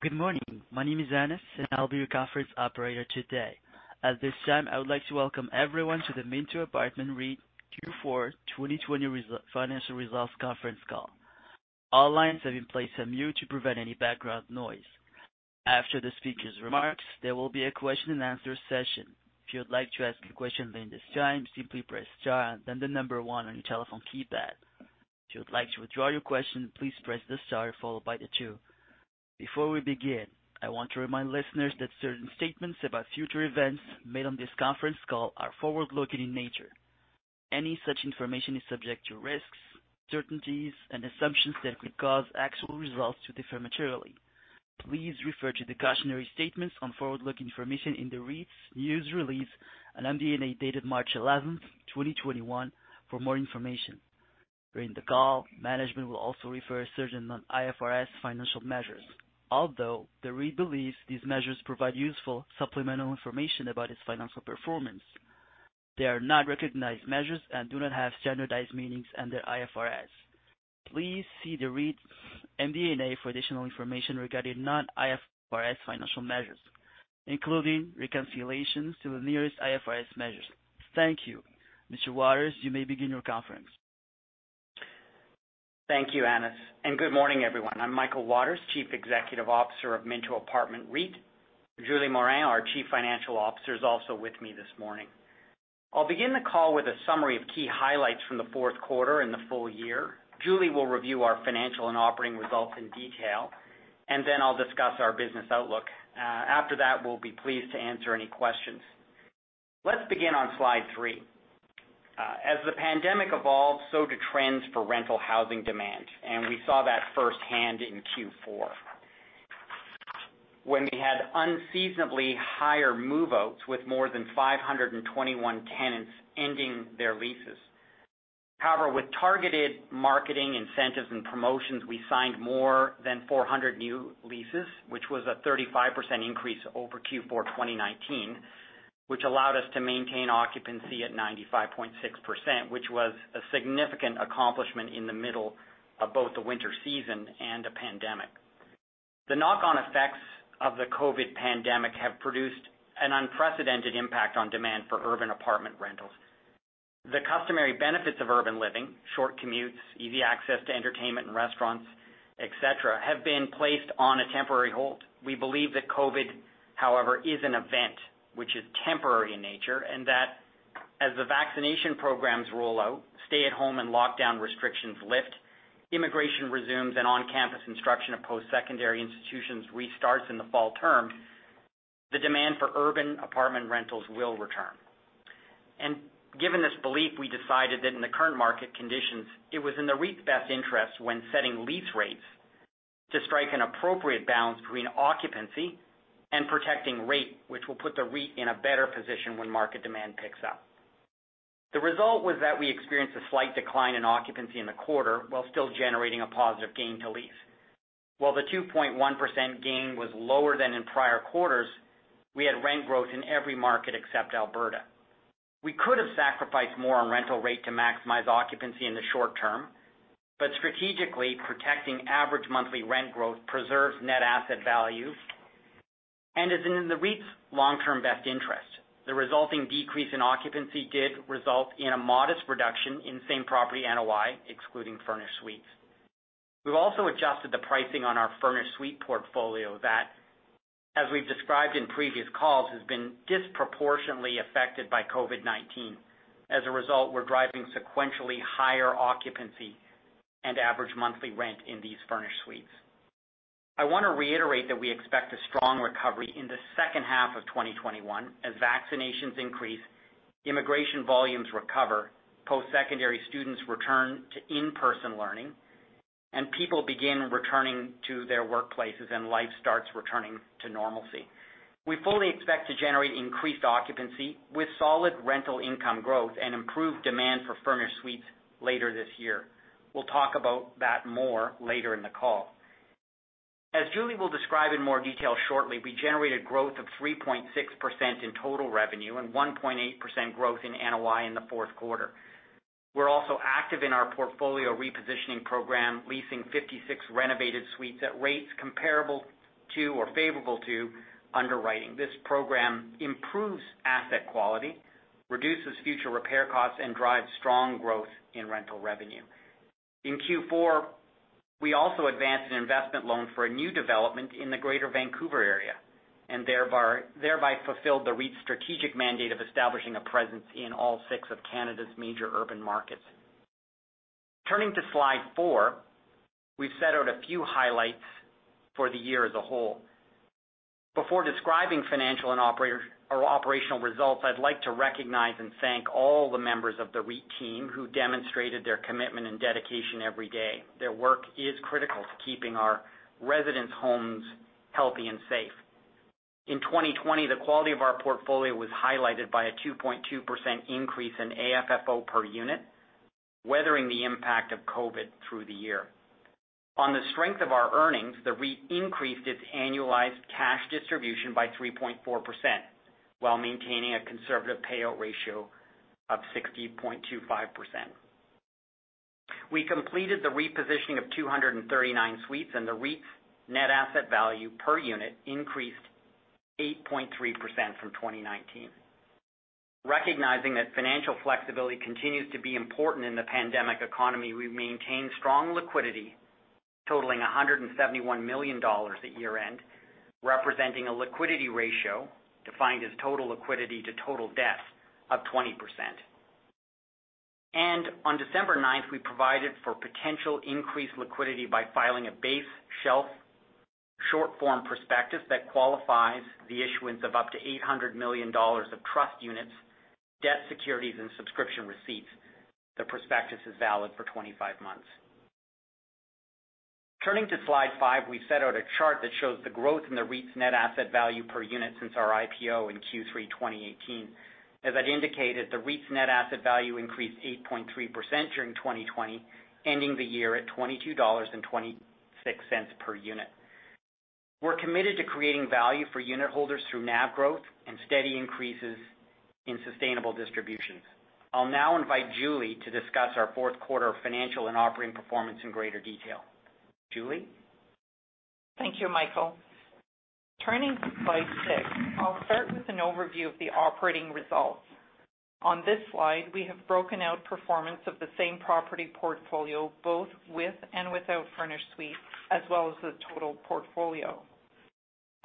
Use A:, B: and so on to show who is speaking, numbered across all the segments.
A: Good morning. My name is Anis, and I'll be your conference operator today. At this time, I would like to welcome everyone to the Minto Apartment REIT Q4 2020 Financial Results Conference Call. All lines have been placed on mute to prevent any background noise. After the speakers' remarks, there will be a question and answer session. If you'd like to ask a question during this time, simply press star and then the number one on your telephone keypad. If you'd like to withdraw your question, please press the star followed by the two. Before we begin, I want to remind listeners that certain statements about future events made on this conference call are forward-looking in nature. Any such information is subject to risks, uncertainties, and assumptions that could cause actual results to differ materially. Please refer to the cautionary statements on forward-looking information in the REIT's news release on MD&A dated March 11th, 2021, for more information. During the call, management will also refer to certain non-IFRS financial measures. Although the REIT believes these measures provide useful supplemental information about its financial performance, they are not recognized measures and do not have standardized meanings under IFRS. Please see the REIT's MD&A for additional information regarding non-IFRS financial measures, including reconciliations to the nearest IFRS measures. Thank you. Mr. Waters, you may begin your conference.
B: Thank you, Anis. Good morning, everyone. I'm Michael Waters, Chief Executive Officer of Minto Apartment REIT. Julie Morin, our Chief Financial Officer, is also with me this morning. I'll begin the call with a summary of key highlights from the fourth quarter and the full year. Julie will review our financial and operating results in detail. Then I'll discuss our business outlook. After that, we'll be pleased to answer any questions. Let's begin on slide three. As the pandemic evolved, so did trends for rental housing demand. We saw that firsthand in Q4 when we had unseasonably higher move-outs, with more than 521 tenants ending their leases. However, with targeted marketing incentives and promotions, we signed more than 400 new leases, which was a 35% increase over Q4 2019, which allowed us to maintain occupancy at 95.6%, which was a significant accomplishment in the middle of both the winter season and a pandemic. The knock-on effects of the COVID pandemic have produced an unprecedented impact on demand for urban apartment rentals. The customary benefits of urban living, short commutes, easy access to entertainment and restaurants, et cetera, have been placed on a temporary hold. We believe that COVID, however, is an event which is temporary in nature, and that as the vaccination programs roll out, stay-at-home and lockdown restrictions lift, immigration resumes, and on-campus instruction of post-secondary institutions restarts in the fall term, the demand for urban apartment rentals will return. Given this belief, we decided that in the current market conditions, it was in the REIT's best interest when setting lease rates to strike an appropriate balance between occupancy and protecting rate, which will put the REIT in a better position when market demand picks up. The result was that we experienced a slight decline in occupancy in the quarter, while still generating a positive gain to lease. While the 2.1% gain was lower than in prior quarters, we had rent growth in every market except Alberta. We could have sacrificed more on rental rate to maximize occupancy in the short term, but strategically protecting average monthly rent growth preserves net asset value and is in the REIT's long-term best interest. The resulting decrease in occupancy did result in a modest reduction in same property NOI, excluding furnished suites. We've also adjusted the pricing on our furnished suite portfolio that, as we've described in previous calls, has been disproportionately affected by COVID-19. As a result, we're driving sequentially higher occupancy and average monthly rent in these furnished suites. I want to reiterate that we expect a strong recovery in the second half of 2021 as vaccinations increase, immigration volumes recover, post-secondary students return to in-person learning, and people begin returning to their workplaces and life starts returning to normalcy. We fully expect to generate increased occupancy with solid rental income growth and improved demand for furnished suites later this year. We'll talk about that more later in the call. As Julie will describe in more detail shortly, we generated growth of 3.6% in total revenue and 1.8% growth in NOI in the fourth quarter. We're also active in our portfolio repositioning program, leasing 56 renovated suites at rates comparable to or favorable to underwriting. This program improves asset quality, reduces future repair costs, and drives strong growth in rental revenue. In Q4, we also advanced an investment loan for a new development in the greater Vancouver area, and thereby fulfilled the REIT's strategic mandate of establishing a presence in all six of Canada's major urban markets. Turning to slide four, we've set out a few highlights for the year as a whole. Before describing financial and operational results, I'd like to recognize and thank all the members of the REIT team who demonstrated their commitment and dedication every day. Their work is critical to keeping our residents' homes healthy and safe. In 2020, the quality of our portfolio was highlighted by a 2.2% increase in AFFO per unit, weathering the impact of COVID through the year. On the strength of our earnings, the REIT increased its annualized cash distribution by 3.4%, while maintaining a conservative payout ratio of 60.25%. We completed the repositioning of 239 suites, and the REIT's NAV per unit increased 8.3% from 2019. Recognizing that financial flexibility continues to be important in the pandemic economy, we maintained strong liquidity totaling 171 million dollars at year-end, representing a liquidity ratio defined as total liquidity to total debt of 20%. On December 9th, we provided for potential increased liquidity by filing a short form base shelf prospectus that qualifies the issuance of up to 800 million dollars of trust units, debt securities, and subscription receipts. The prospectus is valid for 25 months. Turning to slide five, we've set out a chart that shows the growth in the REIT's net asset value per unit since our IPO in Q3 2018. As I'd indicated, the REIT's net asset value increased 8.3% during 2020, ending the year at 22.26 dollars per unit. We're committed to creating value for unit holders through NAV growth and steady increases in sustainable distributions. I'll now invite Julie to discuss our fourth quarter financial and operating performance in greater detail. Julie?
C: Thank you, Michael. Turning to slide six, I'll start with an overview of the operating results. On this slide, we have broken out performance of the same property portfolio, both with and without furnished suites, as well as the total portfolio.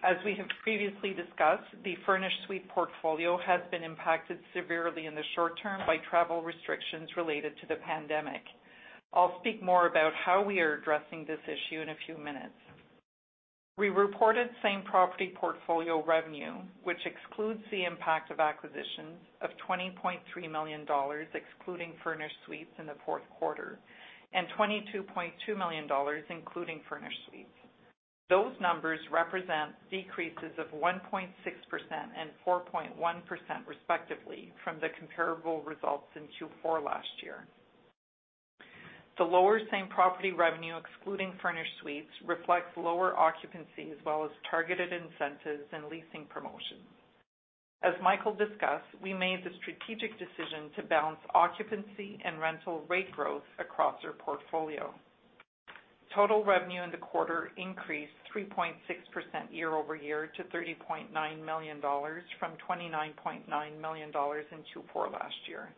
C: As we have previously discussed, the furnished suite portfolio has been impacted severely in the short term by travel restrictions related to the pandemic. I'll speak more about how we are addressing this issue in a few minutes. We reported same property portfolio revenue, which excludes the impact of acquisitions of 20.3 million dollars, excluding furnished suites in the fourth quarter, and 22.2 million dollars, including furnished suites. Those numbers represent decreases of 1.6% and 4.1% respectively from the comparable results in Q4 last year. The lower same property revenue, excluding furnished suites, reflects lower occupancy, as well as targeted incentives and leasing promotions. As Michael discussed, we made the strategic decision to balance occupancy and rental rate growth across our portfolio. Total revenue in the quarter increased 3.6% year-over-year to 30.9 million dollars from 29.9 million dollars in Q4 last year.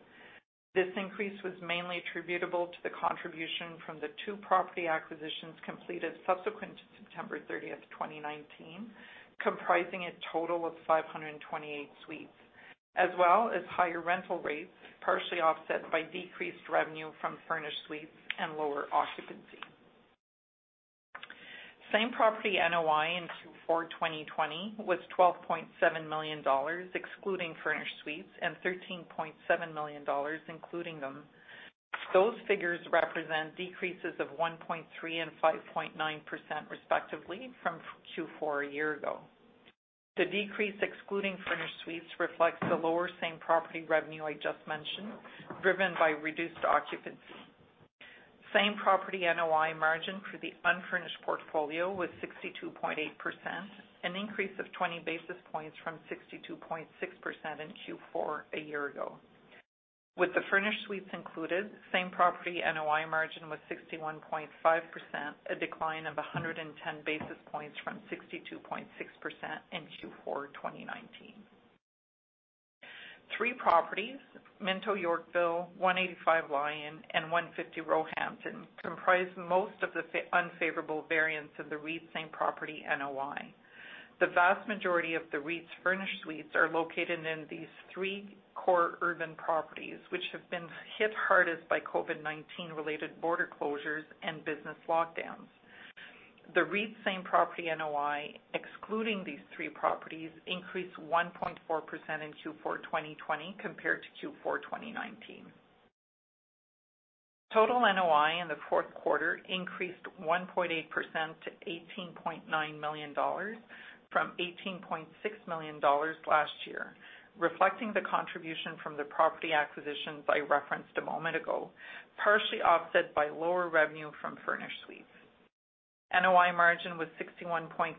C: This increase was mainly attributable to the contribution from the two property acquisitions completed subsequent to September 30th, 2019, comprising a total of 528 suites. As well as higher rental rates, partially offset by decreased revenue from furnished suites and lower occupancy. Same property NOI in Q4 2020 was 12.7 million dollars, excluding furnished suites, and 13.7 million dollars, including them. Those figures represent decreases of 1.3% and 5.9% respectively from Q4 a year ago. The decrease, excluding furnished suites, reflects the lower same property revenue I just mentioned, driven by reduced occupancy. Same property NOI margin for the unfurnished portfolio was 62.8%, an increase of 20 basis points from 62.6% in Q4 a year ago. With the furnished suites included, same property NOI margin was 61.5%, a decline of 110 basis points from 62.6% in Q4 2019. Three properties, Minto Yorkville, 185 Lyon, and 150 Roehampton, comprise most of the unfavorable variance of the REIT's same property NOI. The vast majority of the REIT's furnished suites are located in these three core urban properties, which have been hit hardest by COVID-19 related border closures and business lockdowns. The REIT's same property NOI, excluding these three properties, increased 1.4% in Q4 2020 compared to Q4 2019. Total NOI in the fourth quarter increased 1.8% to 18.9 million dollars from 18.6 million dollars last year, reflecting the contribution from the property acquisitions I referenced a moment ago, partially offset by lower revenue from furnished suites. NOI margin was 61.3%,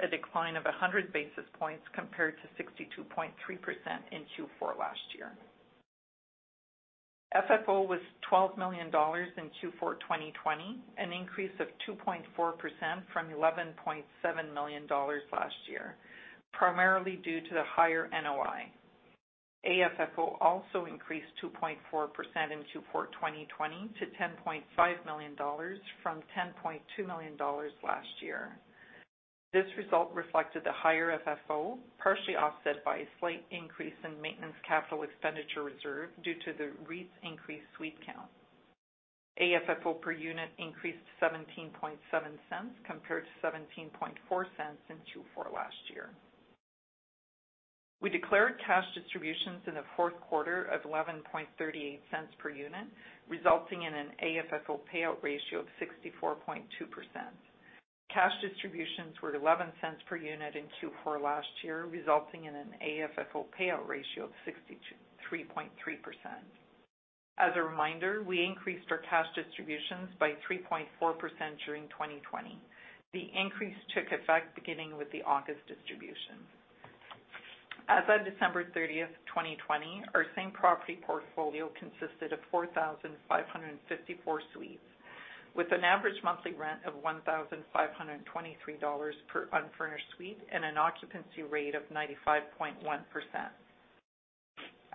C: a decline of 100 basis points compared to 62.3% in Q4 last year. FFO was 12 million dollars in Q4 2020, an increase of 2.4% from 11.7 million dollars last year, primarily due to the higher NOI. AFFO also increased 2.4% in Q4 2020 to 10.5 million dollars from 10.2 million dollars last year. This result reflected the higher FFO, partially offset by a slight increase in maintenance capital expenditure reserve due to the REIT's increased suite count. AFFO per unit increased 0.177 compared to 0.174 in Q4 last year. We declared cash distributions in the fourth quarter of 0.1138 per unit, resulting in an AFFO payout ratio of 64.2%. Cash distributions were 0.11 per unit in Q4 last year, resulting in an AFFO payout ratio of 63.3%. As a reminder, we increased our cash distributions by 3.4% during 2020. The increase took effect beginning with the August distributions. As of December 30th, 2020, our same property portfolio consisted of 4,554 suites, with an average monthly rent of 1,523 dollars per unfurnished suite and an occupancy rate of 95.1%.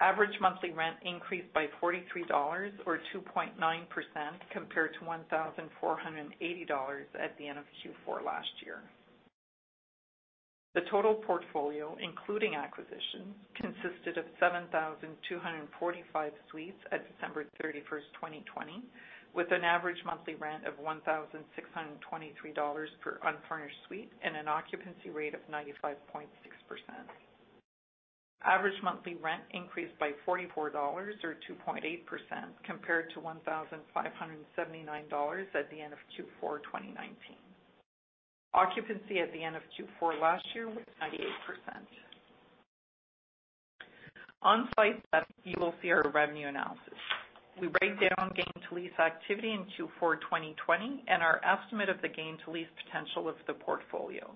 C: Average monthly rent increased by 43 dollars, or 2.9%, compared to 1,480 dollars at the end of Q4 last year. The total portfolio, including acquisitions, consisted of 7,245 suites at December 31st, 2020, with an average monthly rent of 1,623 dollars per unfurnished suite and an occupancy rate of 95.6%. Average monthly rent increased by 44 dollars, or 2.8%, compared to 1,579 dollars at the end of Q4 2019. Occupancy at the end of Q4 last year was 98%. On slide seven, you will see our revenue analysis. We break down gain-to-lease activity in Q4 2020, and our estimate of the gain-to-lease potential of the portfolio.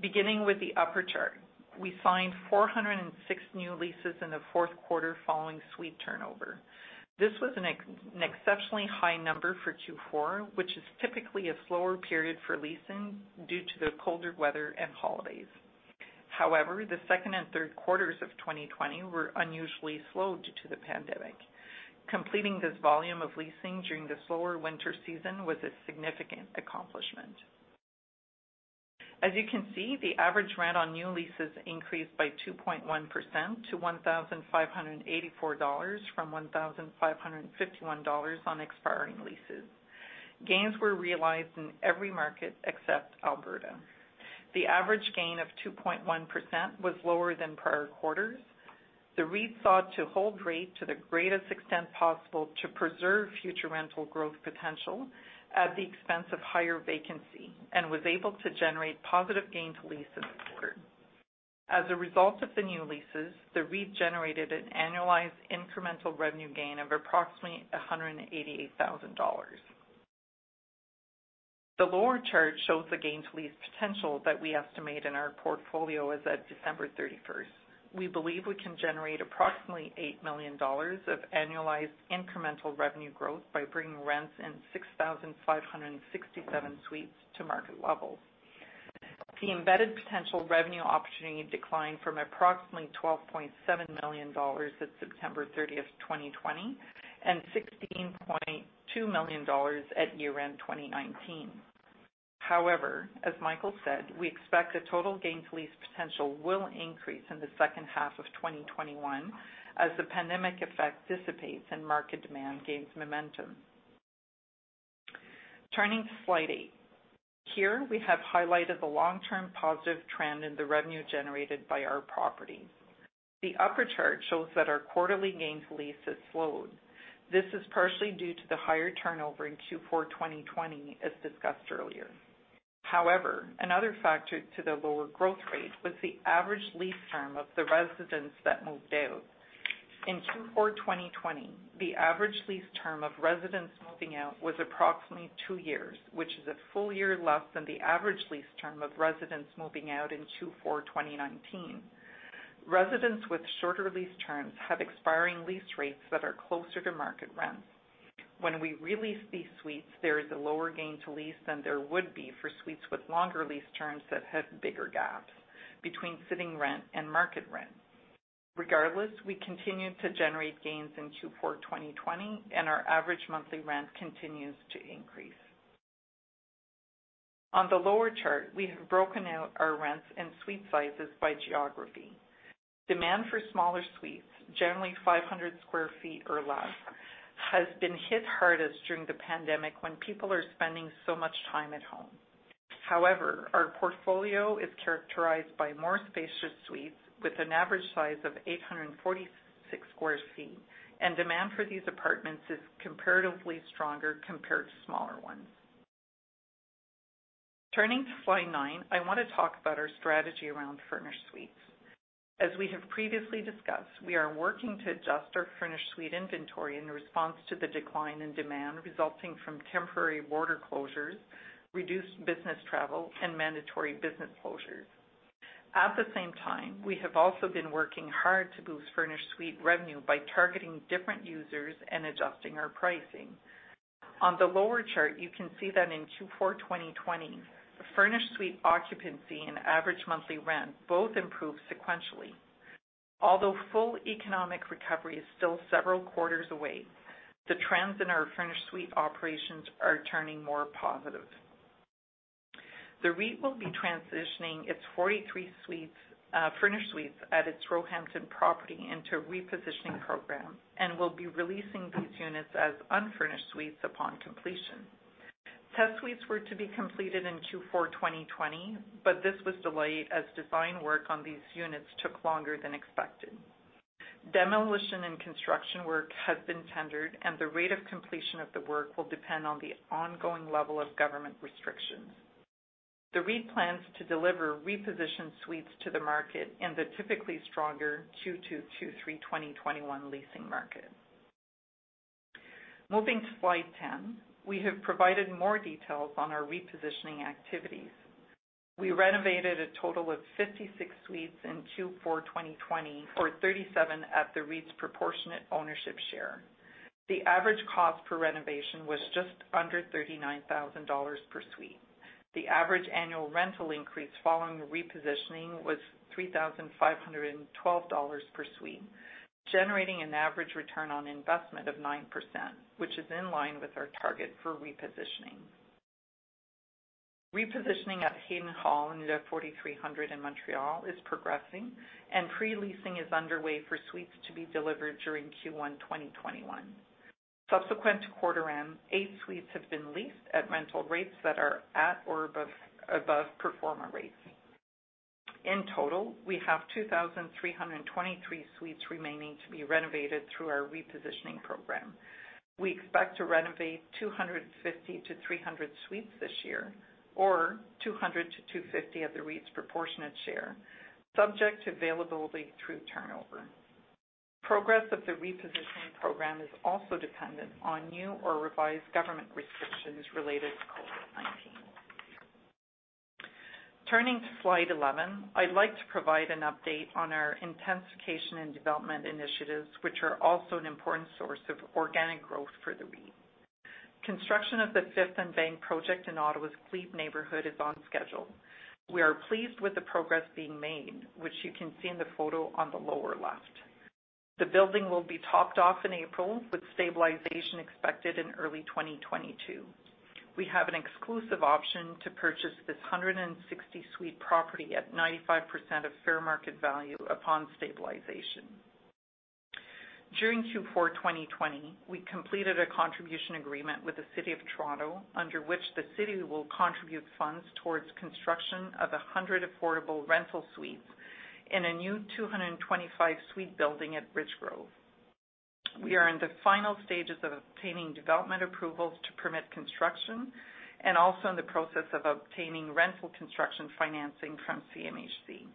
C: Beginning with the upper chart, we signed 406 new leases in the fourth quarter following suite turnover. This was an exceptionally high number for Q4, which is typically a slower period for leasing due to the colder weather and holidays. However, the second and third quarters of 2020 were unusually slow due to the pandemic. Completing this volume of leasing during the slower winter season was a significant accomplishment. As you can see, the average rent on new leases increased by 2.1% to 1,584 dollars from 1,551 dollars on expiring leases. Gains were realized in every market except Alberta. The average gain of 2.1% was lower than prior quarters. The REIT sought to hold rate to the greatest extent possible to preserve future rental growth potential at the expense of higher vacancy, and was able to generate positive gain-to-lease in the quarter. As a result of the new leases, the REIT generated an annualized incremental revenue gain of approximately 188,000 dollars. The lower chart shows the gain-to-lease potential that we estimate in our portfolio as at December 31st. We believe we can generate approximately 8 million dollars of annualized incremental revenue growth by bringing rents in 6,567 suites to market level. The embedded potential revenue opportunity declined from approximately 12.7 million dollars at September 30th, 2020, and 16.2 million dollars at year-end 2019. As Michael said, we expect the total gain-to-lease potential will increase in the second half of 2021 as the pandemic effect dissipates and market demand gains momentum. Turning to slide eight. Here, we have highlighted the long-term positive trend in the revenue generated by our properties. The upper chart shows that our quarterly gain-to-lease has slowed. This is partially due to the higher turnover in Q4 2020, as discussed earlier. However, another factor to the lower growth rate was the average lease term of the residents that moved out. In Q4 2020, the average lease term of residents moving out was approximately two years, which is a full year less than the average lease term of residents moving out in Q4 2019. Residents with shorter lease terms have expiring lease rates that are closer to market rents. When we re-lease these suites, there is a lower gain-to-lease than there would be for suites with longer lease terms that have bigger gaps between sitting rent and market rent. Regardless, we continued to generate gains in Q4 2020, and our average monthly rent continues to increase. On the lower chart, we have broken out our rents and suite sizes by geography. Demand for smaller suites, generally 500 sq ft or less, has been hit hardest during the pandemic when people are spending so much time at home. However, our portfolio is characterized by more spacious suites with an average size of 846 sq ft, and demand for these apartments is comparatively stronger compared to smaller ones. Turning to slide nine, I want to talk about our strategy around furnished suites. As we have previously discussed, we are working to adjust our furnished suite inventory in response to the decline in demand resulting from temporary border closures, reduced business travel, and mandatory business closures. At the same time, we have also been working hard to boost furnished suite revenue by targeting different users and adjusting our pricing. On the lower chart, you can see that in Q4 2020, furnished suite occupancy and average monthly rent both improved sequentially. Although full economic recovery is still several quarters away, the trends in our furnished suite operations are turning more positive. The REIT will be transitioning its 43 furnished suites at its Roehampton property into a repositioning program and will be releasing these units as unfurnished suites upon completion. Test suites were to be completed in Q4 2020, but this was delayed as design work on these units took longer than expected. Demolition and construction work has been tendered, and the rate of completion of the work will depend on the ongoing level of government restrictions. The REIT plans to deliver repositioned suites to the market in the typically stronger Q2/Q3 2021 leasing market. Moving to slide 10, we have provided more details on our repositioning activities. We renovated a total of 56 suites in Q4 2020, or 37 at the REIT's proportionate ownership share. The average cost per renovation was just under 39,000 dollars per suite. The average annual rental increase following the repositioning was 3,512 dollars per suite, generating an average return on investment of 9%, which is in line with our target for repositioning. Repositioning at Haddon Hall, Le 4300 in Montreal is progressing, and pre-leasing is underway for suites to be delivered during Q1 2021. Subsequent to quarter end, eight suites have been leased at rental rates that are at or above pro forma rates. In total, we have 2,323 suites remaining to be renovated through our repositioning program. We expect to renovate 250 to 300 suites this year, or 200 to 250 of the REIT's proportionate share, subject to availability through turnover. Progress of the repositioning program is also dependent on new or revised government restrictions related to COVID-19. Turning to slide 11, I'd like to provide an update on our intensification and development initiatives, which are also an important source of organic growth for the REIT. Construction of the Fifth + Bank project in Ottawa's Glebe neighborhood is on schedule. We are pleased with the progress being made, which you can see in the photo on the lower left. The building will be topped off in April, with stabilization expected in early 2022. We have an exclusive option to purchase this 160-suite property at 95% of fair market value upon stabilization. During Q4 2020, we completed a contribution agreement with the City of Toronto, under which the city will contribute funds towards construction of 100 affordable rental suites in a new 225-suite building at Richgrove. We are in the final stages of obtaining development approvals to permit construction, also in the process of obtaining rental construction financing from CMHC.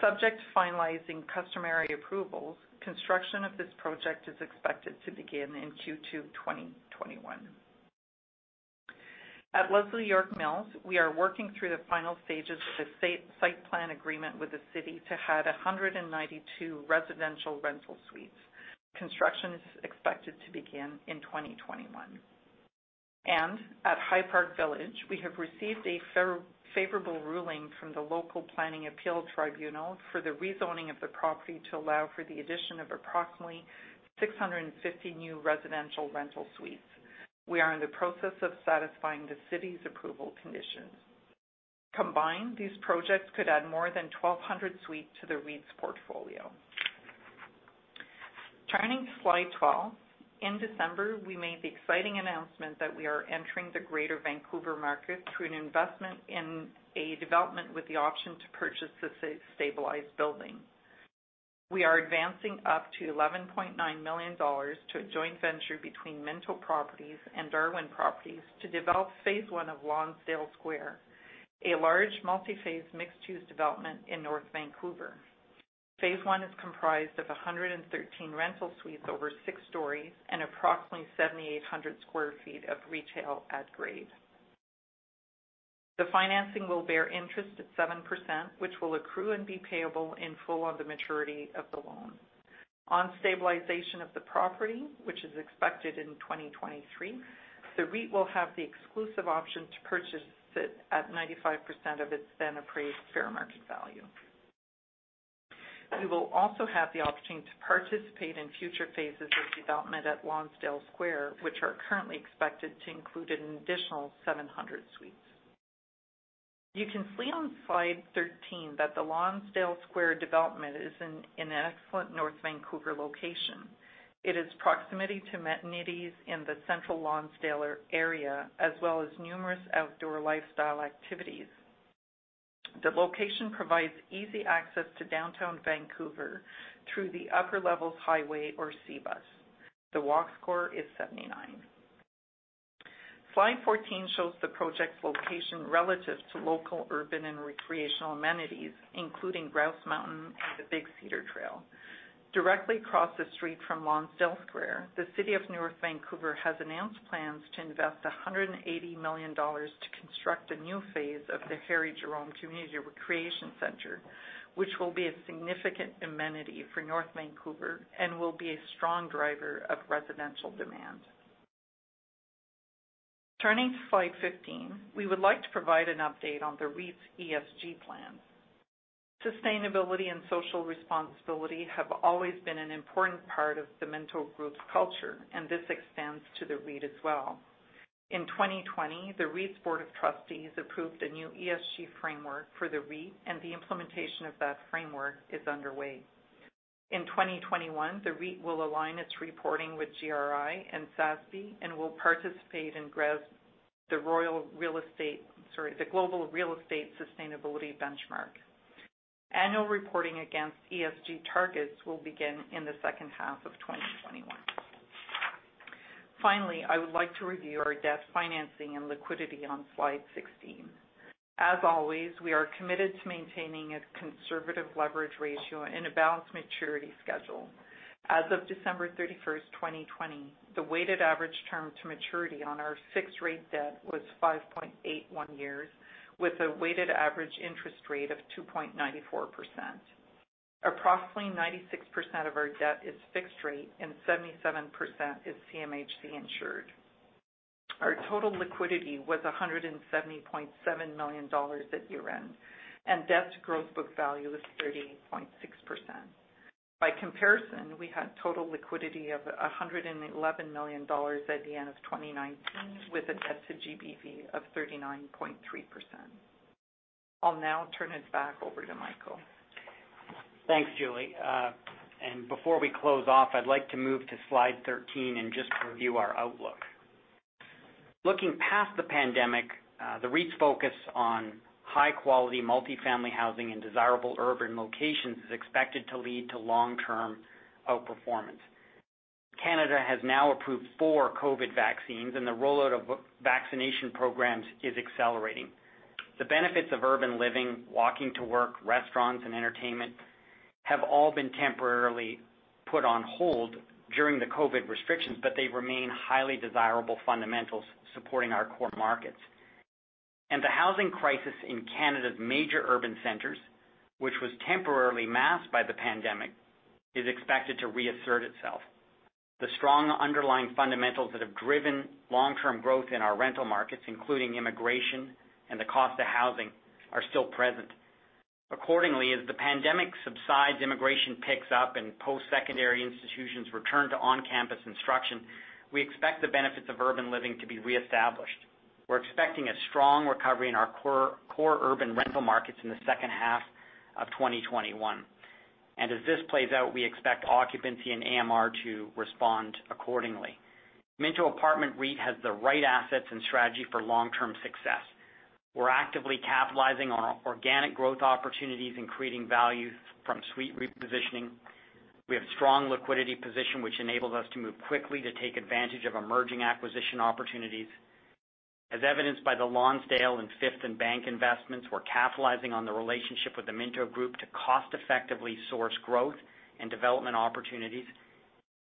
C: Subject to finalizing customary approvals, construction of this project is expected to begin in Q2 2021. At Leslie/York Mills, we are working through the final stages of the site plan agreement with the city to add 192 residential rental suites. Construction is expected to begin in 2021. At High Park Village, we have received a favorable ruling from the Local Planning Appeal Tribunal for the rezoning of the property to allow for the addition of approximately 650 new residential rental suites. We are in the process of satisfying the city's approval conditions. Combined, these projects could add more than 1,200 suites to the REIT's portfolio. Turning to slide 12. In December, we made the exciting announcement that we are entering the Greater Vancouver market through an investment in a development, with the option to purchase a stabilized building. We are advancing up to 11.9 million dollars to a joint venture between Minto Properties and Darwin Properties to develop phase one of Lonsdale Square, a large multi-phase mixed-use development in North Vancouver. Phase one is comprised of 113 rental suites over six stories and approximately 7,800 sq ft of retail at grade. The financing will bear interest at 7%, which will accrue and be payable in full on the maturity of the loan. On stabilization of the property, which is expected in 2023, the REIT will have the exclusive option to purchase it at 95% of its then appraised fair market value. We will also have the option to participate in future phases of development at Lonsdale Square, which are currently expected to include an additional 700 suites. You can see on slide 13 that the Lonsdale Square development is in an excellent North Vancouver location. It is proximity to amenities in the central Lonsdale area, as well as numerous outdoor lifestyle activities. The location provides easy access to downtown Vancouver through the Upper Levels Highway or SeaBus. The Walk Score is 79. Slide 14 shows the project's location relative to local urban and recreational amenities, including Grouse Mountain and the Big Cedar Trail. Directly across the street from Lonsdale Square, the City of North Vancouver has announced plans to invest 180 million dollars to construct a new phase of the Harry Jerome Community Recreation Center, which will be a significant amenity for North Vancouver and will be a strong driver of residential demand. Turning to slide 15, we would like to provide an update on the REIT's ESG plans. Sustainability and social responsibility have always been an important part of the Minto Group's culture, and this extends to the REIT as well. In 2020, the REIT's Board of Trustees approved a new ESG framework for the REIT, and the implementation of that framework is underway. In 2021, the REIT will align its reporting with GRI and SASB and will participate in the Global Real Estate Sustainability Benchmark. Annual reporting against ESG targets will begin in the second half of 2021. Finally, I would like to review our debt financing and liquidity on slide 16. As always, we are committed to maintaining a conservative leverage ratio and a balanced maturity schedule. As of December 31st, 2020, the weighted average term to maturity on our fixed-rate debt was 5.81 years with a weighted average interest rate of 2.94%. Approximately 96% of our debt is fixed rate and 77% is CMHC insured. Our total liquidity was 170.7 million dollars at year-end, and debt to gross book value was 30.6%. By comparison, we had total liquidity of 111 million dollars at the end of 2019, with a debt to GBV of 39.3%. I'll now turn it back over to Michael.
B: Thanks, Julie. Before we close off, I'd like to move to slide 13 and just review our outlook. Looking past the pandemic, the REIT's focus on high-quality, multi-family housing in desirable urban locations is expected to lead to long-term outperformance. Canada has now approved four COVID vaccines, and the rollout of vaccination programs is accelerating. The benefits of urban living, walking to work, restaurants, and entertainment have all been temporarily put on hold during the COVID restrictions, but they remain highly desirable fundamentals supporting our core markets. The housing crisis in Canada's major urban centers, which was temporarily masked by the pandemic, is expected to reassert itself. The strong underlying fundamentals that have driven long-term growth in our rental markets, including immigration and the cost of housing, are still present. Accordingly, as the pandemic subsides, immigration picks up, and post-secondary institutions return to on-campus instruction, we expect the benefits of urban living to be re-established. We're expecting a strong recovery in our core urban rental markets in the second half of 2021. As this plays out, we expect occupancy and AMR to respond accordingly. Minto Apartment REIT has the right assets and strategy for long-term success. We're actively capitalizing on organic growth opportunities and creating value from suite repositioning. We have a strong liquidity position, which enables us to move quickly to take advantage of emerging acquisition opportunities. As evidenced by the Lonsdale and Fifth + Bank investments, we're capitalizing on the relationship with the Minto Group to cost-effectively source growth and development opportunities.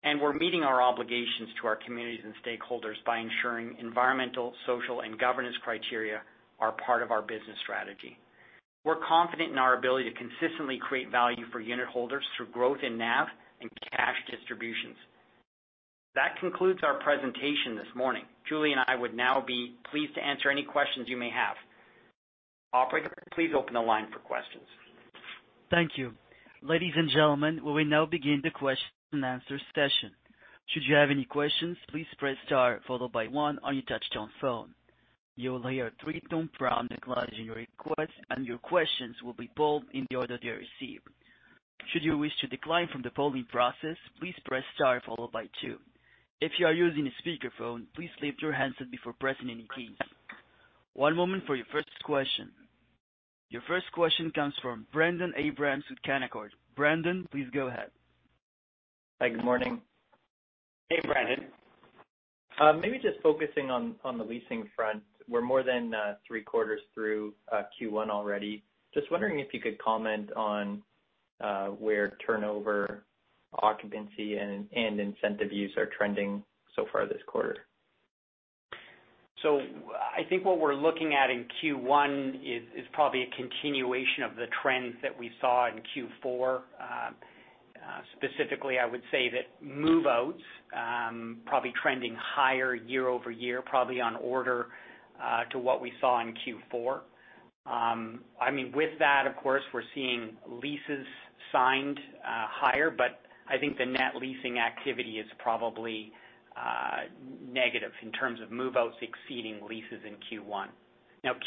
B: We're meeting our obligations to our communities and stakeholders by ensuring environmental, social, and governance criteria are part of our business strategy. We're confident in our ability to consistently create value for unitholders through growth in NAV and cash distributions. That concludes our presentation this morning. Julie and I would now be pleased to answer any questions you may have. Operator, please open the line for questions.
A: Your first question comes from Brendon Abrams with Canaccord. Brendon, please go ahead.
D: Hi, good morning.
B: Hey, Brendon.
D: Maybe just focusing on the leasing front, we're more than three-quarters through Q1 already. Just wondering if you could comment on where turnover, occupancy, and incentive use are trending so far this quarter.
B: I think what we're looking at in Q1 is probably a continuation of the trends that we saw in Q4. Specifically, I would say that move-outs probably trending higher year-over-year, probably on order to what we saw in Q4. With that, of course, we're seeing leases signed higher, but I think the net leasing activity is probably negative in terms of move-outs exceeding leases in Q1.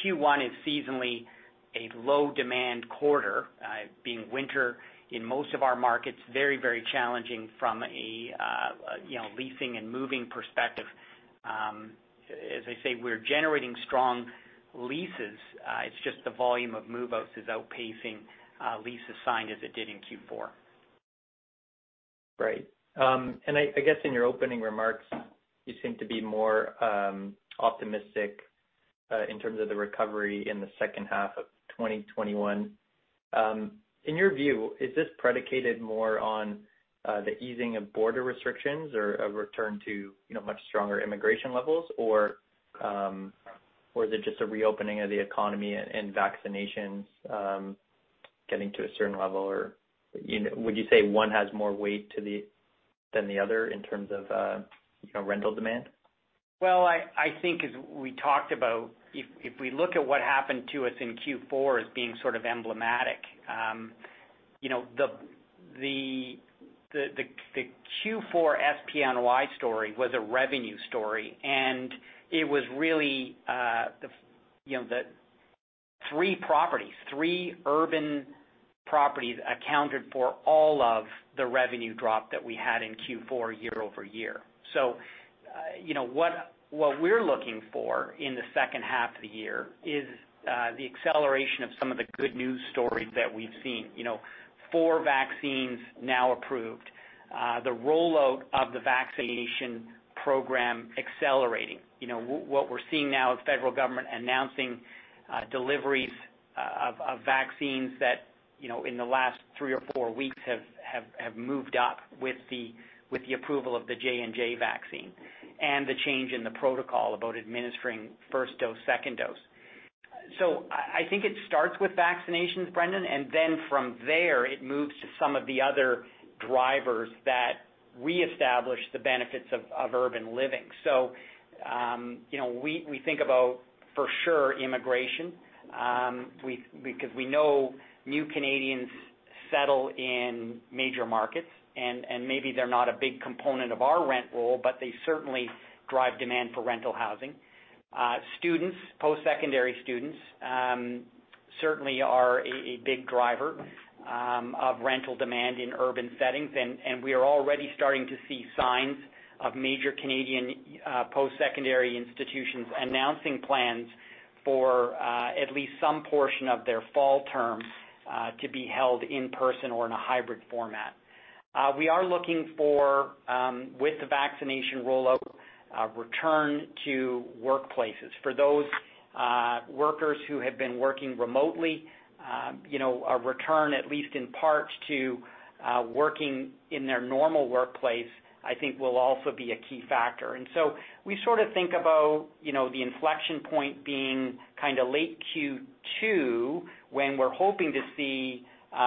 B: Q1 is seasonally a low-demand quarter, being winter in most of our markets, very challenging from a leasing and moving perspective. As I say, we're generating strong leases. It's just the volume of move-outs is outpacing leases signed as it did in Q4.
D: Right. I guess in your opening remarks, you seem to be more optimistic in terms of the recovery in the second half of 2021. In your view, is this predicated more on the easing of border restrictions or a return to much stronger immigration levels, or is it just a reopening of the economy and vaccinations getting to a certain level? Would you say one has more weight than the other in terms of rental demand?
B: I think as we talked about, if we look at what happened to us in Q4 as being sort of emblematic. The Q4 SPNOI story was a revenue story, and it was really the three urban properties accounted for all of the revenue drop that we had in Q4 year-over-year. What we're looking for in the second half of the year is the acceleration of some of the good news stories that we've seen. Four vaccines now approved. The rollout of the vaccination program accelerating. What we're seeing now is federal government announcing deliveries of vaccines that, in the last three or four weeks, have moved up with the approval of the J&J vaccine and the change in the protocol about administering first dose, second dose. I think it starts with vaccinations, Brendon, and then from there it moves to some of the other drivers that reestablish the benefits of urban living. We think about, for sure, immigration. We know new Canadians settle in major markets, and maybe they're not a big component of our rent roll, but they certainly drive demand for rental housing. Students, post-secondary students, certainly are a big driver of rental demand in urban settings. We are already starting to see signs of major Canadian post-secondary institutions announcing plans for at least some portion of their fall term to be held in person or in a hybrid format. We are looking for, with the vaccination rollout, a return to workplaces. For those workers who have been working remotely, a return, at least in part, to working in their normal workplace, I think will also be a key factor. We sort of think about the inflection point being kind of late Q2, when we're hoping to see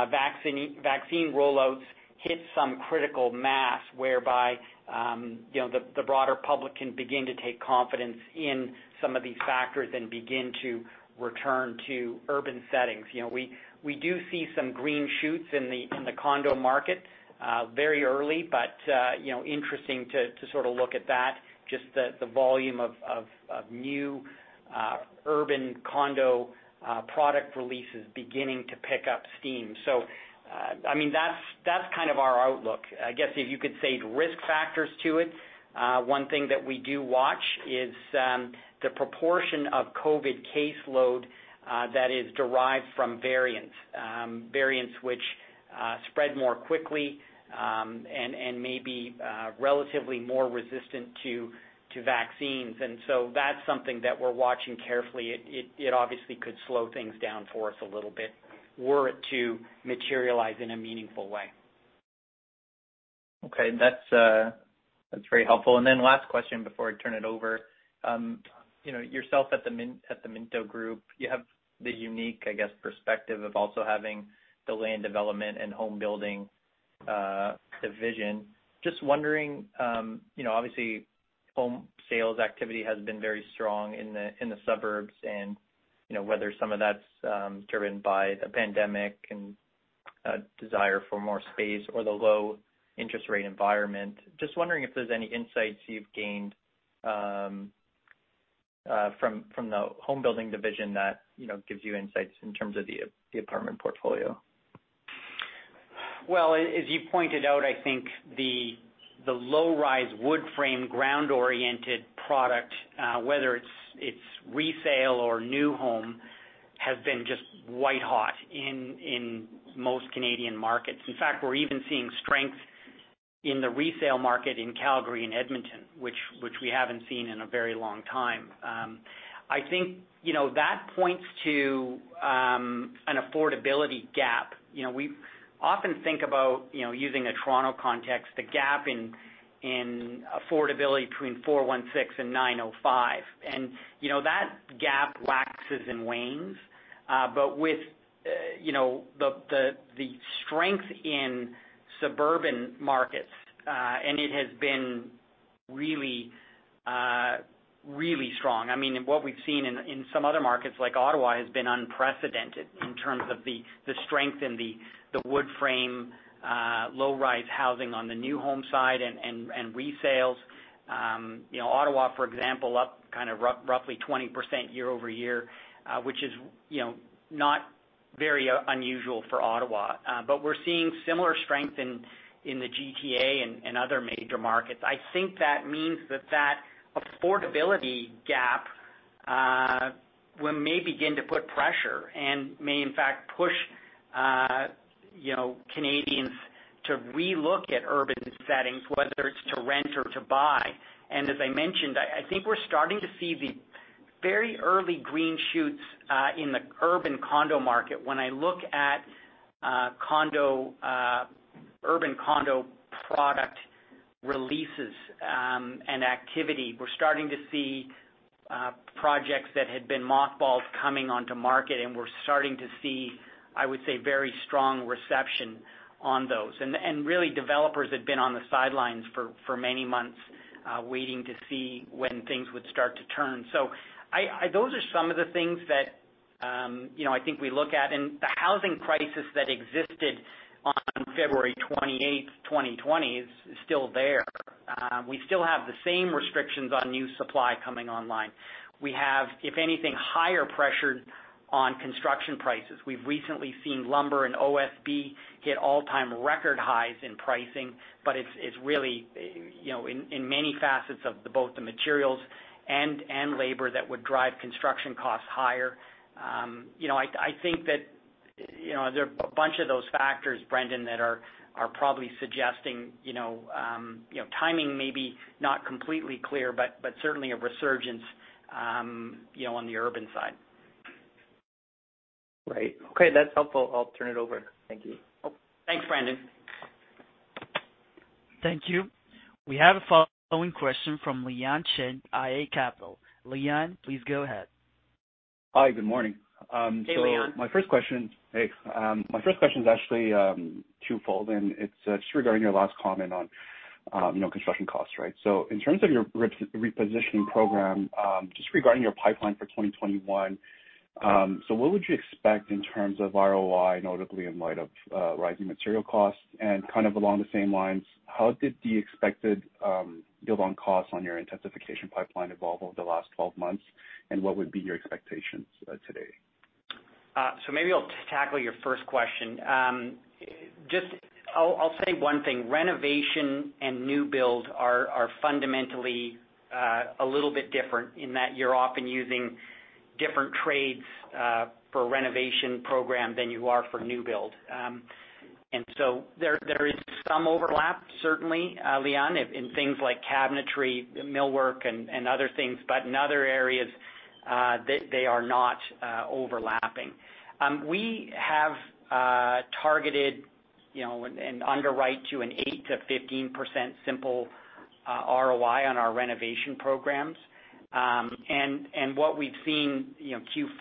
B: vaccine rollouts hit some critical mass whereby the broader public can begin to take confidence in some of these factors and begin to return to urban settings. We do see some green shoots in the condo market. Very early but interesting to sort of look at that, just the volume of new urban condo product releases beginning to pick up steam. That's kind of our outlook. I guess if you could say risk factors to it, one thing that we do watch is the proportion of COVID caseload that is derived from variants. Variants which spread more quickly, and may be relatively more resistant to vaccines. That's something that we're watching carefully. It obviously could slow things down for us a little bit were it to materialize in a meaningful way.
D: Okay. That's very helpful. Last question before I turn it over. Yourself at the Minto Group, you have the unique perspective of also having the land development and home-building division. Just wondering, obviously home sales activity has been very strong in the suburbs, and whether some of that's driven by the pandemic and a desire for more space or the low interest rate environment. Just wondering if there's any insights you've gained from the home-building division that gives you insights in terms of the apartment portfolio.
B: Well, as you pointed out, I think the low-rise wood frame ground-oriented product, whether it's resale or new home, has been just white hot in most Canadian markets. In fact, we're even seeing strength in the resale market in Calgary and Edmonton, which we haven't seen in a very long time. I think that points to an affordability gap. We often think about, using a Toronto context, the gap in affordability between 416 and 905. That gap waxes and wanes. With the strength in suburban markets, and it has been really strong. What we've seen in some other markets like Ottawa has been unprecedented in terms of the strength in the wood frame, low-rise housing on the new home side and resales. Ottawa, for example, up kind of roughly 20% year-over-year. Which is not very unusual for Ottawa. We're seeing similar strength in the GTA and other major markets. I think that means that affordability gap may begin to put pressure and may in fact push Canadians to re-look at urban settings, whether it's to rent or to buy. As I mentioned, I think we're starting to see the very early green shoots in the urban condo market. When I look at urban condo product releases and activity, we're starting to see projects that had been mothballed coming onto market, and we're starting to see, I would say, very strong reception on those. Really developers had been on the sidelines for many months, waiting to see when things would start to turn. Those are some of the things that I think we look at. The housing crisis that existed on February 28th, 2020 is still there. We still have the same restrictions on new supply coming online. We have, if anything, higher pressure on construction prices. We've recently seen lumber and OSB hit all-time record highs in pricing, but it's really in many facets of both the materials and labor that would drive construction costs higher. There are a bunch of those factors, Brendon, that are probably suggesting timing maybe not completely clear, but certainly a resurgence on the urban side.
D: Right. Okay. That's helpful. I'll turn it over. Thank you.
B: Thanks, Brendon.
A: Thank you. We have a following question from Liyan Chen, iA Capital. Liyan, please go ahead.
E: Hi. Good morning.
B: Hey, Liyan.
E: My first question is actually twofold, and it's just regarding your last comment on construction costs, right? In terms of your repositioning program, just regarding your pipeline for 2021, so what would you expect in terms of ROI, notably in light of rising material costs and kind of along the same lines, how did the expected build on costs on your intensification pipeline evolve over the last 12 months, and what would be your expectations today?
B: Maybe I'll tackle your first question. I'll say one thing. Renovation and new build are fundamentally a little bit different in that you're often using different trades for a renovation program than you are for new build. There is some overlap, certainly, Liyan, in things like cabinetry, millwork, and other things. In other areas, they are not overlapping. We have targeted and underwrite to an 8%-15% simple ROI on our renovation programs. What we've seen,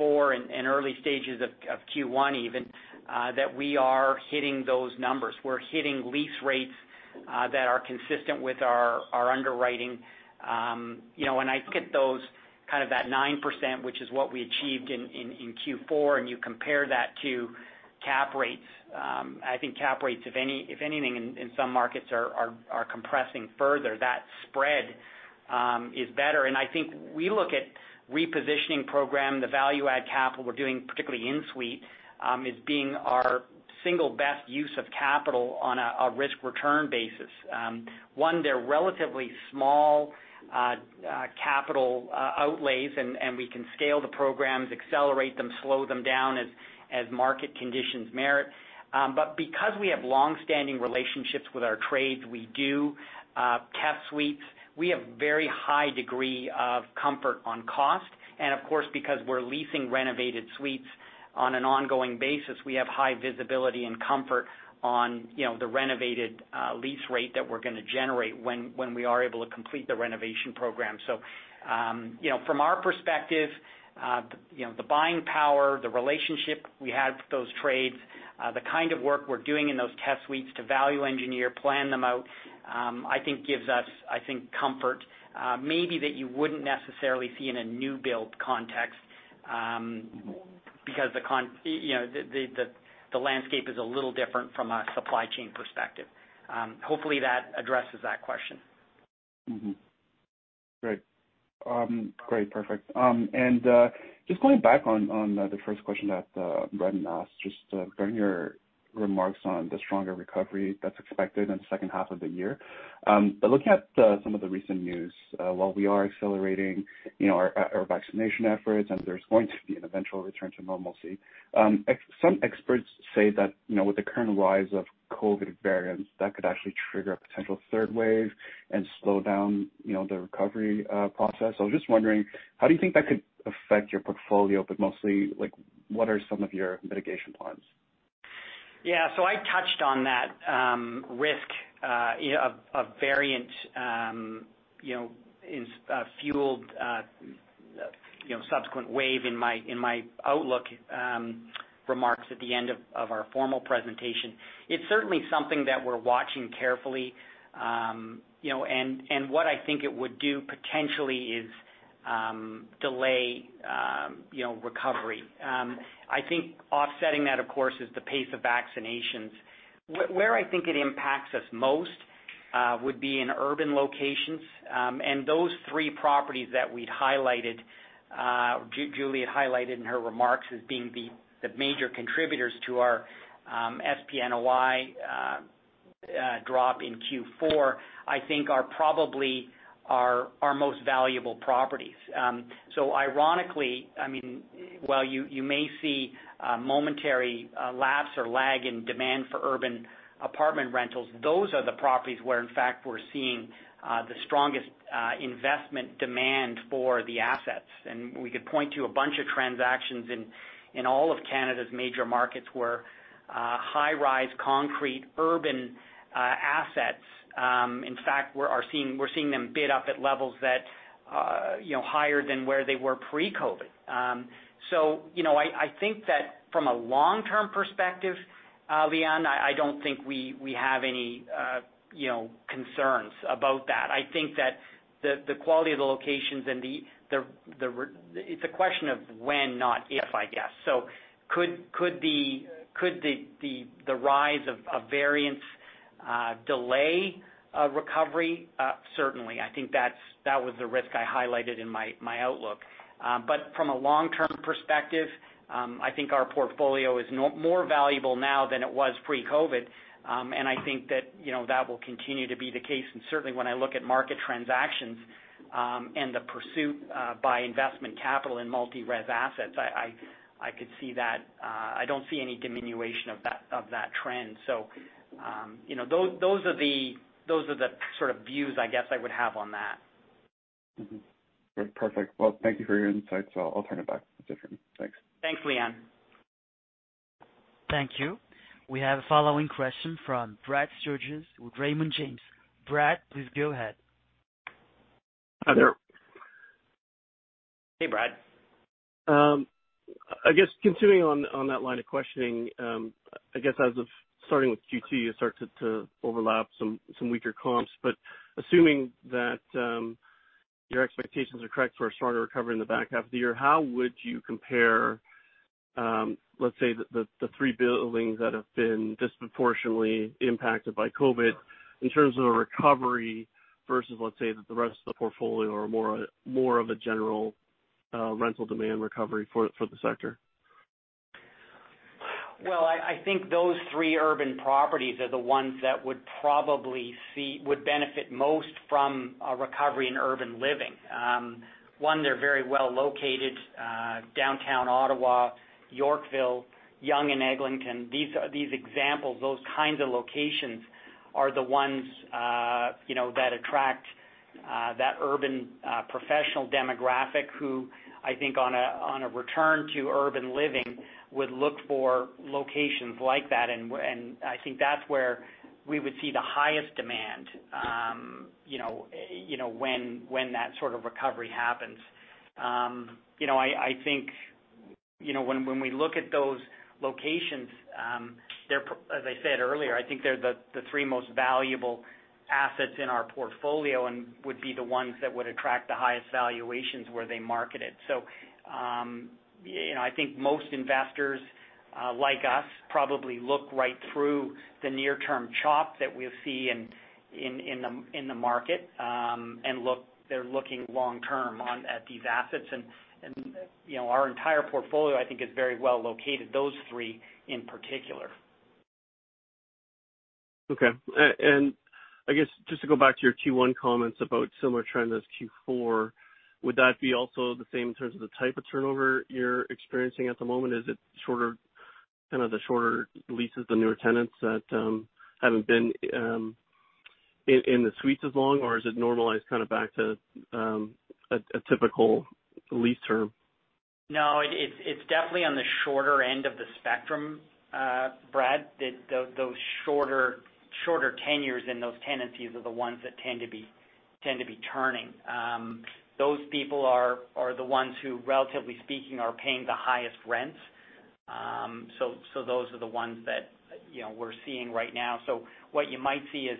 B: Q4 and early stages of Q1 even, that we are hitting those numbers. We're hitting lease rates that are consistent with our underwriting. When I look at those, kind of that 9%, which is what we achieved in Q4, and you compare that to cap rates, I think cap rates, if anything, in some markets are compressing further. That spread is better. I think we look at repositioning program, the value add capital we're doing, particularly in-suite, as being our single best use of capital on a risk-return basis. One, they're relatively small capital outlays, and we can scale the programs, accelerate them, slow them down as market conditions merit. Because we have longstanding relationships with our trades, we do test suites. We have very high degree of comfort on cost. Of course, because we're leasing renovated suites on an ongoing basis, we have high visibility and comfort on the renovated lease rate that we're going to generate when we are able to complete the renovation program. From our perspective, the buying power, the relationship we have with those trades, the kind of work we're doing in those test suites to value engineer, plan them out, I think gives us comfort. Maybe that you wouldn't necessarily see in a new build context because the landscape is a little different from a supply chain perspective. Hopefully, that addresses that question.
E: Mm-hmm. Great. Perfect. Just going back on the first question that Brendon asked, just regarding your remarks on the stronger recovery that's expected in the second half of the year. Looking at some of the recent news, while we are accelerating our vaccination efforts, and there's going to be an eventual return to normalcy, some experts say that with the current rise of COVID-19 variants, that could actually trigger a potential third wave and slow down the recovery process. I was just wondering, how do you think that could affect your portfolio, but mostly, what are some of your mitigation plans?
B: I touched on that risk of variant-fueled subsequent wave in my outlook remarks at the end of our formal presentation. It's certainly something that we're watching carefully. What I think it would do potentially is delay recovery. I think offsetting that, of course, is the pace of vaccinations. Where I think it impacts us most would be in urban locations. Those three properties that we'd highlighted, Julie had highlighted in her remarks as being the major contributors to our SPNOI drop in Q4, I think are probably our most valuable properties. Ironically, while you may see a momentary lapse or lag in demand for urban apartment rentals, those are the properties where, in fact, we're seeing the strongest investment demand for the assets. We could point to a bunch of transactions in all of Canada's major markets where high-rise concrete urban assets, in fact, we're seeing them bid up at levels that higher than where they were pre-COVID. I think that from a long-term perspective, Liyan, I don't think we have any concerns about that. I think that the quality of the locations and it's a question of when, not if, I guess. Could the rise of variants delay a recovery? Certainly. I think that was the risk I highlighted in my outlook. From a long-term perspective, I think our portfolio is more valuable now than it was pre-COVID. I think that will continue to be the case. Certainly, when I look at market transactions and the pursuit by investment capital in multi-res assets. I don't see any diminution of that trend. Those are the sort of views I guess I would have on that.
E: Mm-hmm. Perfect. Well, thank you for your insights. I'll turn it back to Jeffrey. Thanks.
B: Thanks, Liyan.
A: Thank you. We have a following question from Brad Sturges with Raymond James. Brad, please go ahead.
F: Hi there.
B: Hey, Brad.
F: I guess continuing on that line of questioning, I guess as of starting with Q2, you start to overlap some weaker comps. Assuming that your expectations are correct for a stronger recovery in the back half of the year, how would you compare, let's say, the three buildings that have been disproportionately impacted by COVID in terms of a recovery versus, let's say, the rest of the portfolio or more of a general rental demand recovery for the sector?
B: Well, I think those three urban properties are the ones that would benefit most from a recovery in urban living. One, they're very well located, Downtown Ottawa, Yorkville, Yonge and Eglinton. These examples, those kinds of locations are the ones that attract that urban professional demographic, who I think on a return to urban living would look for locations like that. I think that's where we would see the highest demand when that sort of recovery happens. I think when we look at those locations, as I said earlier, I think they're the three most valuable assets in our portfolio and would be the ones that would attract the highest valuations were they marketed. I think most investors, like us, probably look right through the near-term chop that we'll see in the market, and they're looking long-term at these assets. Our entire portfolio, I think, is very well located, those three in particular.
F: Okay. I guess, just to go back to your Q1 comments about similar trend as Q4, would that be also the same in terms of the type of turnover you're experiencing at the moment? Is it kind of the shorter leases, the newer tenants that haven't been in the suites as long, or is it normalized back to a typical lease term?
B: It's definitely on the shorter end of the spectrum, Brad. Those shorter tenures in those tenancies are the ones that tend to be turning. Those people are the ones who, relatively speaking, are paying the highest rents. Those are the ones that we're seeing right now. What you might see is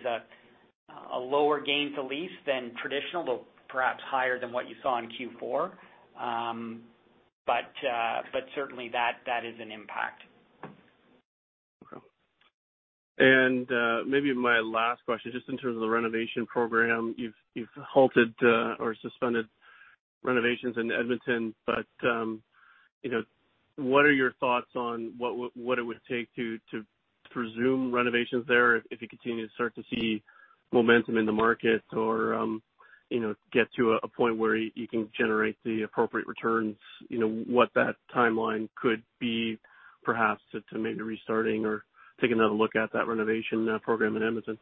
B: a lower gain-to-lease than traditional, though perhaps higher than what you saw in Q4. Certainly that is an impact.
F: Okay. Maybe my last question, just in terms of the renovation program. You've halted or suspended renovations in Edmonton, but what are your thoughts on what it would take to resume renovations there if you continue to start to see momentum in the market or get to a point where you can generate the appropriate returns, what that timeline could be, perhaps, to maybe restarting or taking another look at that renovation program in Edmonton?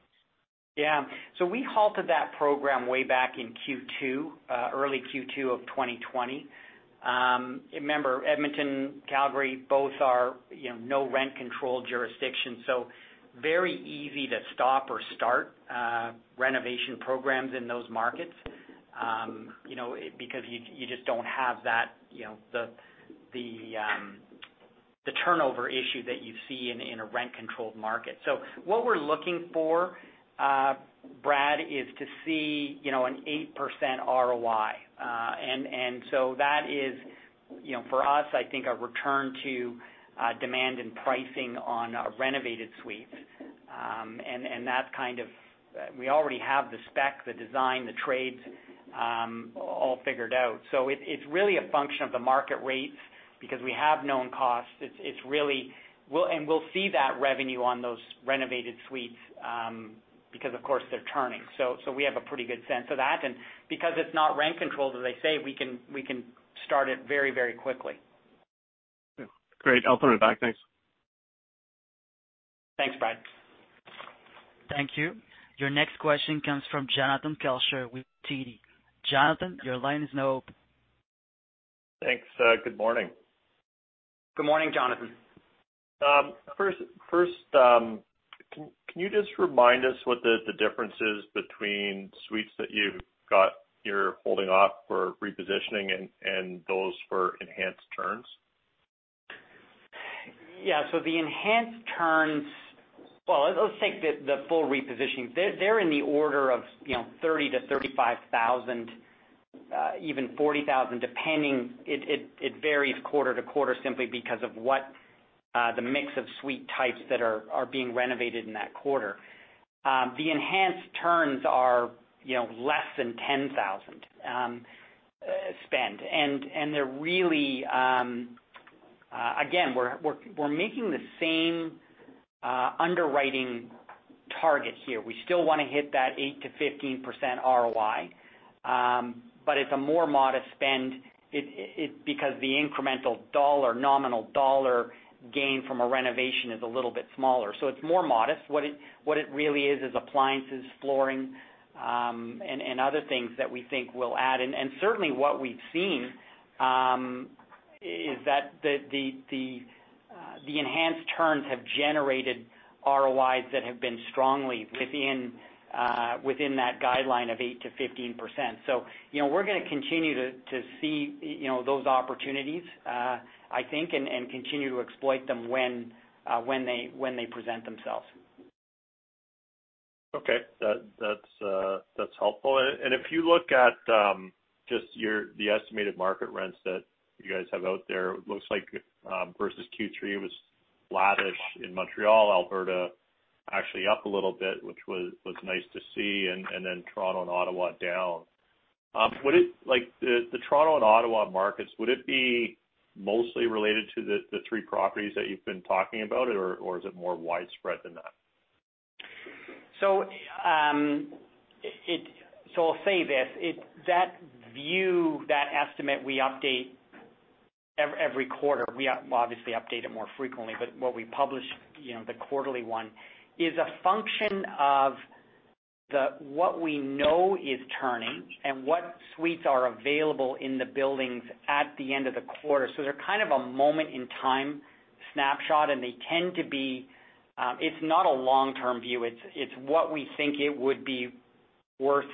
B: Yeah. We halted that program way back in Q2, early Q2 of 2020. Remember, Edmonton, Calgary, both are no rent control jurisdiction. Very easy to stop or start renovation programs in those markets. Because you just don't have the turnover issue that you see in a rent-controlled market. What we're looking for, Brad, is to see an 8% ROI. That is, for us, I think a return to demand and pricing on a renovated suite. We already have the spec, the design, the trades all figured out. It's really a function of the market rates because we have known costs. We'll see that revenue on those renovated suites because, of course, they're turning. We have a pretty good sense of that. Because it's not rent-controlled, as I say, we can start it very quickly.
F: Yeah. Great. I'll put it back. Thanks.
B: Thanks, Brad.
A: Thank you. Your next question comes from Jonathan Kelcher with TD. Jonathan, your line is now open.
G: Thanks. Good morning.
B: Good morning, Jonathan.
G: Can you just remind us what the difference is between suites that you're holding off for repositioning and those for enhanced turns?
B: Yeah. The enhanced turns. Let's take the full repositioning. They're in the order of 30,000-35,000, even 40,000, depending. It varies quarter to quarter simply because of what the mix of suite types that are being renovated in that quarter. The enhanced turns are less than 10,000 spend. They're really, again, we're making the same underwriting target here. We still want to hit that 8%-15% ROI. It's a more modest spend because the incremental dollar, nominal dollar gain from a renovation is a little bit smaller. It's more modest. What it really is appliances, flooring, and other things that we think will add. Certainly what we've seen, is that the enhanced turns have generated ROIs that have been strongly within that guideline of 8%-15%. We're going to continue to see those opportunities, I think, and continue to exploit them when they present themselves.
G: Okay. That's helpful. If you look at just the estimated market rents that you guys have out there, looks like versus Q3 was flattish in Montreal. Alberta actually up a little bit, which was nice to see, and then Toronto and Ottawa down. The Toronto and Ottawa markets, would it be mostly related to the three properties that you've been talking about, or is it more widespread than that?
B: I'll say this, that view, that estimate we update every quarter. We obviously update it more frequently, but what we publish, the quarterly one, is a function of what we know is turning and what suites are available in the buildings at the end of the quarter. They're kind of a moment in time snapshot, and it's not a long-term view. It's what we think it would be worth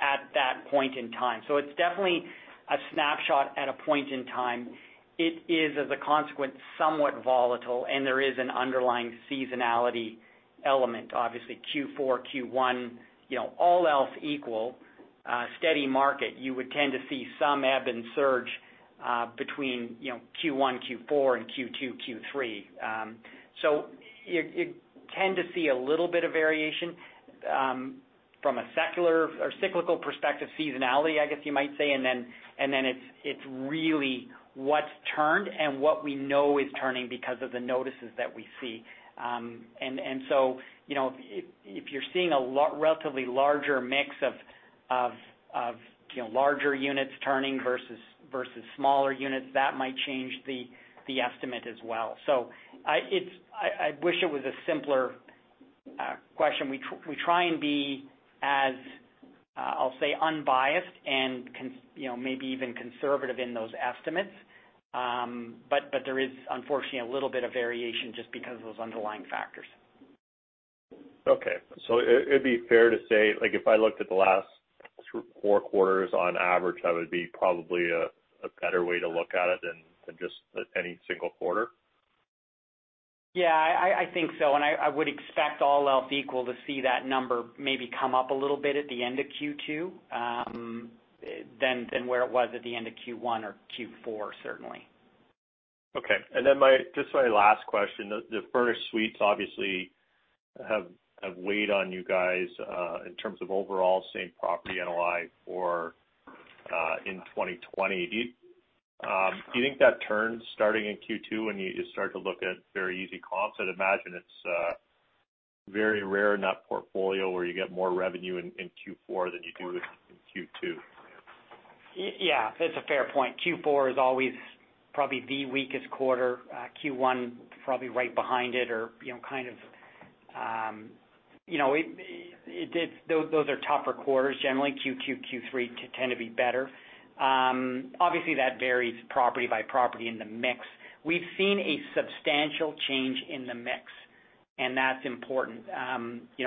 B: at that point in time. It's definitely a snapshot at a point in time. It is, as a consequence, somewhat volatile, and there is an underlying seasonality element. Obviously Q4, Q1, all else equal, steady market, you would tend to see some ebb and surge between Q1, Q4, and Q2, Q3. You tend to see a little bit of variation from a secular or cyclical perspective, seasonality, I guess you might say. It's really what's turned and what we know is turning because of the notices that we see. If you're seeing a relatively larger mix of larger units turning versus smaller units, that might change the estimate as well. I wish it was a simpler question. We try and be as, I'll say, unbiased and maybe even conservative in those estimates. There is unfortunately a little bit of variation just because of those underlying factors.
G: Okay. It'd be fair to say, if I looked at the last four quarters on average, that would be probably a better way to look at it than just any single quarter?
B: Yeah, I think so, and I would expect all else equal to see that number maybe come up a little bit at the end of Q2 than where it was at the end of Q1 or Q4, certainly.
G: Okay, then just my last question. The furnished suites obviously have weighed on you guys, in terms of overall Same Property NOI for in 2020. Do you think that turns starting in Q2 when you start to look at very easy comps? I'd imagine it's very rare in that portfolio where you get more revenue in Q4 than you do in Q2.
B: Yeah, it's a fair point. Q4 is always probably the weakest quarter. Q1 probably right behind it, or those are tougher quarters. Generally, Q2, Q3 tend to be better. Obviously, that varies property by property in the mix. We've seen a substantial change in the mix, that's important.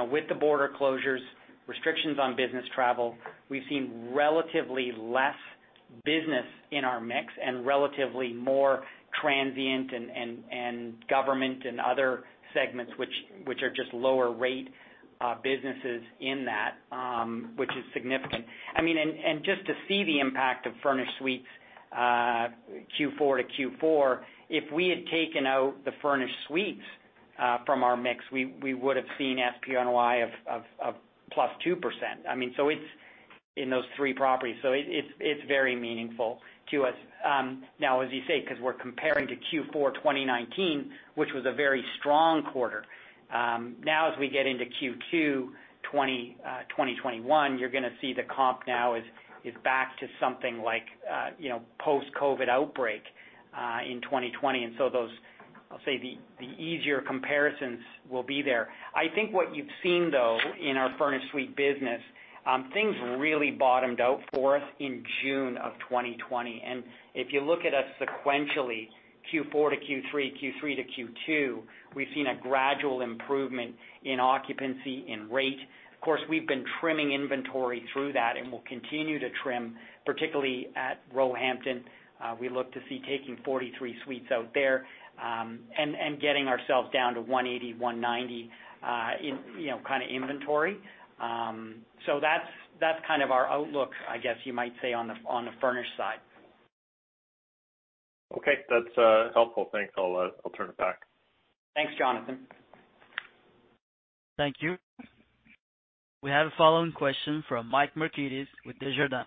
B: With the border closures, restrictions on business travel, we've seen relatively less business in our mix and relatively more transient and government and other segments, which are just lower rate businesses in that, which is significant. Just to see the impact of furnished suites Q4 to Q4, if we had taken out the furnished suites from our mix, we would've seen SPNOI of +2%. It's in those three properties. It's very meaningful to us. Now, as you say, because we're comparing to Q4 2019, which was a very strong quarter. As we get into Q2 2021, you're going to see the comp now is back to something like post-COVID-19 outbreak, in 2020. Those, I'll say, the easier comparisons will be there. I think what you've seen though, in our furnished suite business, things really bottomed out for us in June of 2020. If you look at us sequentially, Q4 to Q3, Q3 to Q2, we've seen a gradual improvement in occupancy, in rate. Of course, we've been trimming inventory through that, and we'll continue to trim, particularly at Roehampton. We look to see taking 43 suites out there, and getting ourselves down to 180, 190, in kind of inventory. That's kind of our outlook, I guess you might say, on the furnished side.
G: Okay. That's helpful. Thanks. I'll turn it back.
B: Thanks, Jonathan.
A: Thank you. We have a following question from Mike Markidis with Desjardins.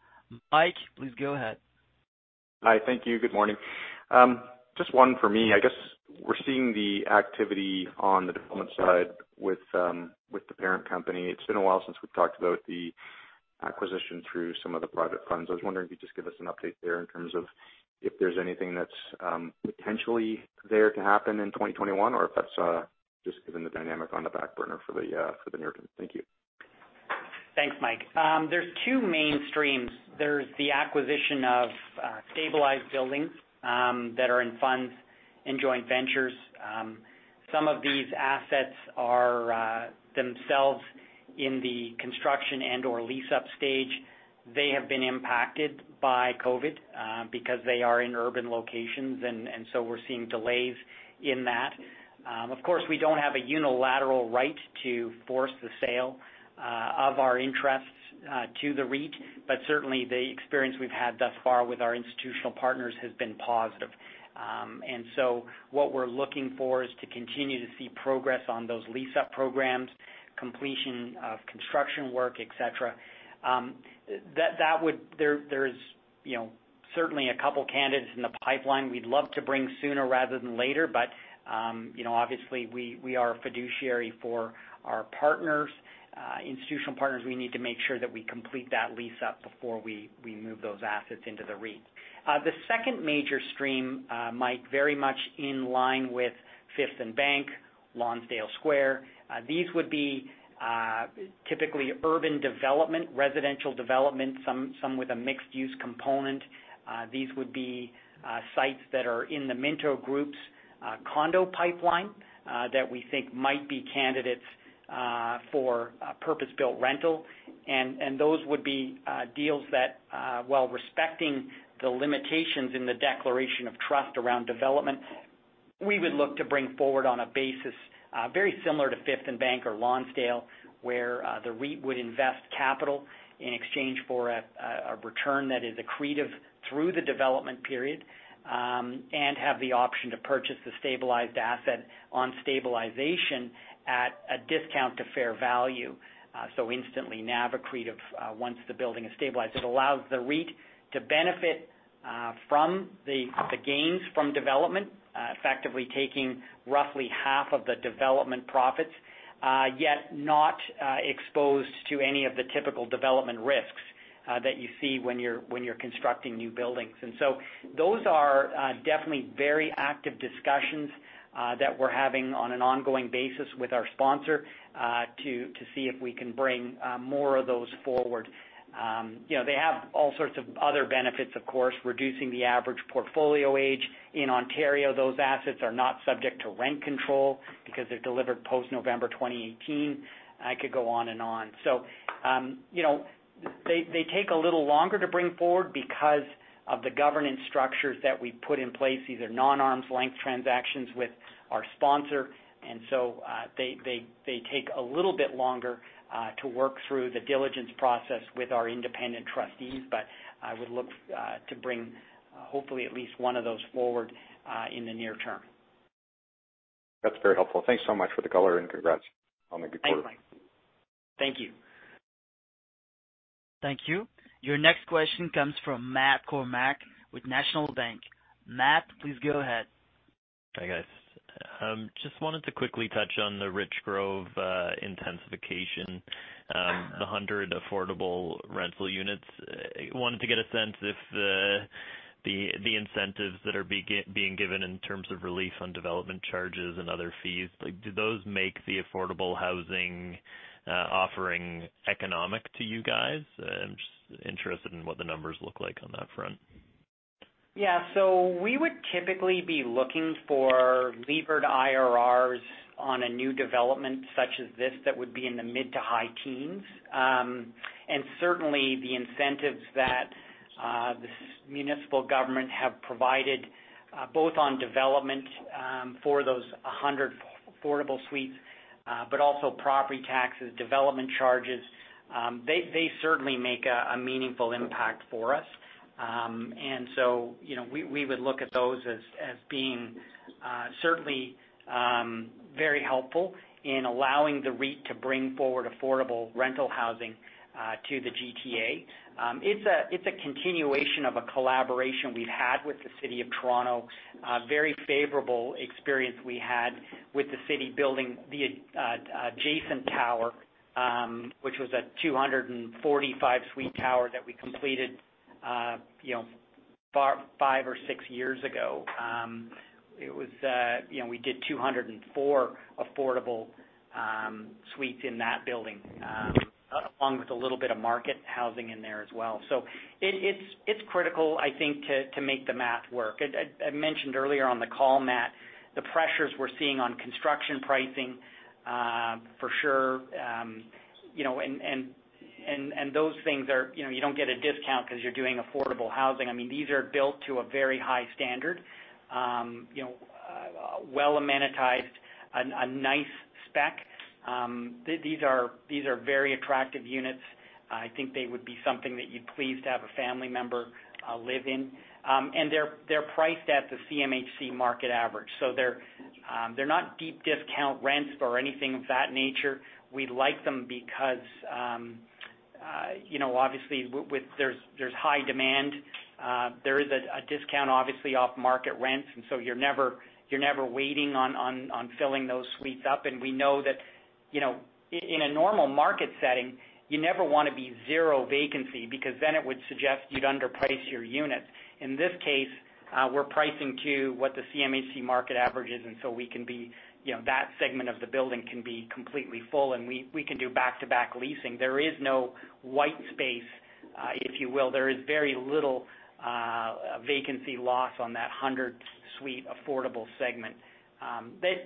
A: Mike, please go ahead.
H: Hi. Thank you. Good morning. Just one for me. I guess we're seeing the activity on the deployment side with the parent company. It's been a while since we've talked about the acquisition through some of the private funds. I was wondering if you'd just give us an update there in terms of if there's anything that's potentially there to happen in 2021 or if that's just given the dynamic on the back burner for the near term. Thank you.
B: Thanks, Mike. There's two mainstreams. There's the acquisition of stabilized buildings that are in funds, in joint ventures. Some of these assets are themselves in the construction and/or lease-up stage. They have been impacted by COVID-19 because they are in urban locations. We're seeing delays in that. Of course, we don't have a unilateral right to force the sale of our interests to the REIT. Certainly the experience we've had thus far with our institutional partners has been positive. What we're looking for is to continue to see progress on those lease-up programs, completion of construction work, et cetera. There's certainly a couple candidates in the pipeline we'd love to bring sooner rather than later. Obviously, we are a fiduciary for our institutional partners. We need to make sure that we complete that lease-up before we move those assets into the REIT. The second major stream, Mike, very much in line with Fifth + Bank, Lonsdale Square. These would be typically urban development, residential development, some with a mixed-use component. These would be sites that are in the Minto Group's condo pipeline that we think might be candidates for purpose-built rental. Those would be deals that, while respecting the limitations in the declaration of trust around development, we would look to bring forward on a basis very similar to Fifth + Bank or Lonsdale, where the REIT would invest capital in exchange for a return that is accretive through the development period. Have the option to purchase the stabilized asset on stabilization at a discount to fair value. Instantly now accretive once the building is stabilized. It allows the REIT to benefit from the gains from development, effectively taking roughly half of the development profits. Yet not exposed to any of the typical development risks that you see when you're constructing new buildings. Those are definitely very active discussions that we're having on an ongoing basis with our sponsor, to see if we can bring more of those forward. They have all sorts of other benefits, of course, reducing the average portfolio age. In Ontario, those assets are not subject to rent control because they're delivered post November 2018. I could go on and on. They take a little longer to bring forward because of the governance structures that we put in place. These are non-arm's length transactions with our sponsor. They take a little bit longer to work through the diligence process with our independent trustees. I would look to bring hopefully at least one of those forward in the near term.
H: That's very helpful. Thanks so much for the color and congrats on the good quarter.
B: Thanks, Mike. Thank you.
A: Thank you. Your next question comes from Matt Kornack with National Bank. Matt, please go ahead.
I: Hi, guys. Just wanted to quickly touch on the Richgrove intensification, the 100 affordable rental units. Wanted to get a sense if the incentives that are being given in terms of relief on development charges and other fees, do those make the affordable housing offering economic to you guys? I'm just interested in what the numbers look like on that front.
B: Yeah. We would typically be looking for levered IRRs on a new development such as this that would be in the mid to high teens. Certainly the incentives that the municipal government have provided, both on development for those 100 affordable suites, but also property taxes, development charges, they certainly make a meaningful impact for us. We would look at those as being certainly very helpful in allowing the REIT to bring forward affordable rental housing to the GTA. It's a continuation of a collaboration we've had with the City of Toronto. A very favorable experience we had with the city building the adjacent tower, which was a 245-suite tower that we completed five or six years ago. We did 204 affordable suites in that building, along with a little bit of market housing in there as well. It's critical, I think, to make the math work. I mentioned earlier on the call, Matt, the pressures we're seeing on construction pricing for sure. Those things are You don't get a discount because you're doing affordable housing. I mean, these are built to a very high standard. Well-amenitized, a nice spec. These are very attractive units. I think they would be something that you'd pleased to have a family member live in. They're priced at the CMHC market average. They're not deep discount rents or anything of that nature. We like them because, obviously, there's high demand. There is a discount, obviously, off market rents, and so you're never waiting on filling those suites up. We know that in a normal market setting, you never want to be zero vacancy, because then it would suggest you'd underprice your units. In this case, we're pricing to what the CMHC market average is. That segment of the building can be completely full, and we can do back-to-back leasing. There is no white space, if you will. There is very little vacancy loss on that 100-suite affordable segment.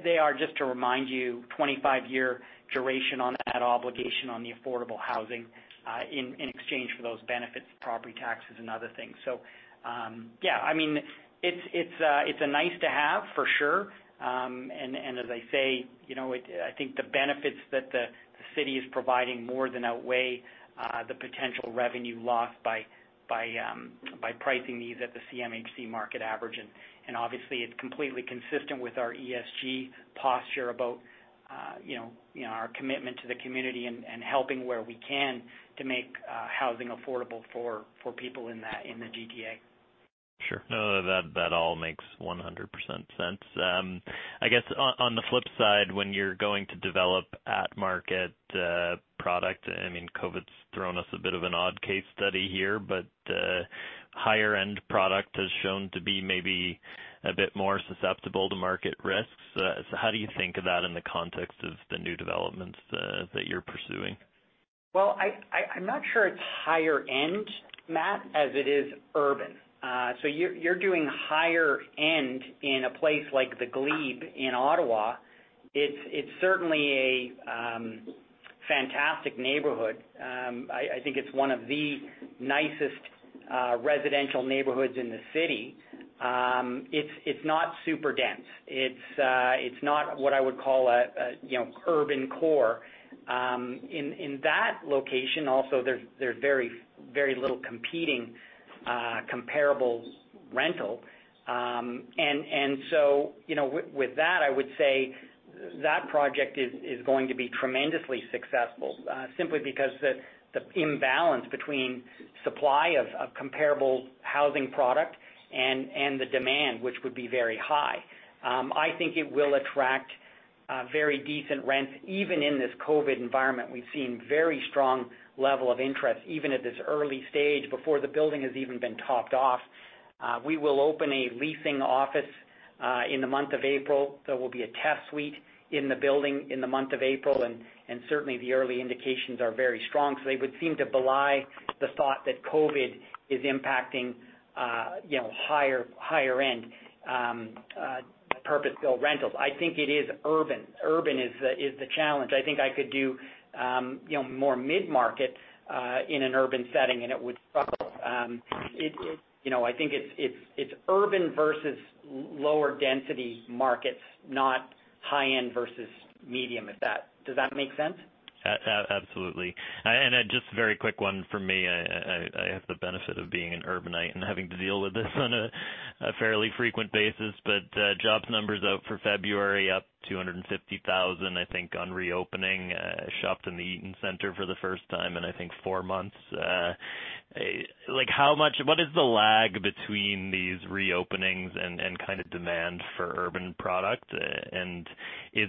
B: They are, just to remind you, 25-year duration on that obligation on the affordable housing, in exchange for those benefits, property taxes, and other things. Yeah. It's a nice-to-have, for sure. As I say, I think the benefits that the city is providing more than outweigh the potential revenue lost by pricing these at the CMHC market average. Obviously, it's completely consistent with our ESG posture about our commitment to the community and helping where we can to make housing affordable for people in the GTA.
I: Sure. No, that all makes 100% sense. I guess, on the flip side, when you're going to develop at-market product, COVID's thrown us a bit of an odd case study here, but higher-end product has shown to be maybe a bit more susceptible to market risks. How do you think of that in the context of the new developments that you're pursuing?
B: Well, I'm not sure it's higher end, Matt, as it is urban. You're doing higher end in a place like The Glebe in Ottawa. It's certainly a fantastic neighborhood. I think it's one of the nicest residential neighborhoods in the city. It's not super dense. It's not what I would call an urban core. In that location, also, there's very little competing comparable rental. With that, I would say that project is going to be tremendously successful, simply because the imbalance between supply of comparable housing product and the demand, which would be very high. I think it will attract very decent rents. Even in this COVID environment, we've seen very strong level of interest, even at this early stage, before the building has even been topped off. We will open a leasing office in the month of April. There will be a test suite in the building in the month of April, certainly the early indications are very strong. They would seem to belie the thought that COVID is impacting higher-end purpose-built rentals. I think it is urban. Urban is the challenge. I think I could do more mid-market in an urban setting, it would struggle. I think it's urban versus lower density markets, not high-end versus medium. Does that make sense?
I: Absolutely. Just a very quick one from me. I have the benefit of being an urbanite and having to deal with this on a fairly frequent basis. Jobs numbers out for February up 250,000, I think, on reopening. I shopped in the Eaton Centre for the first time in, I think, four months. What is the lag between these reopenings and kind of demand for urban product? Is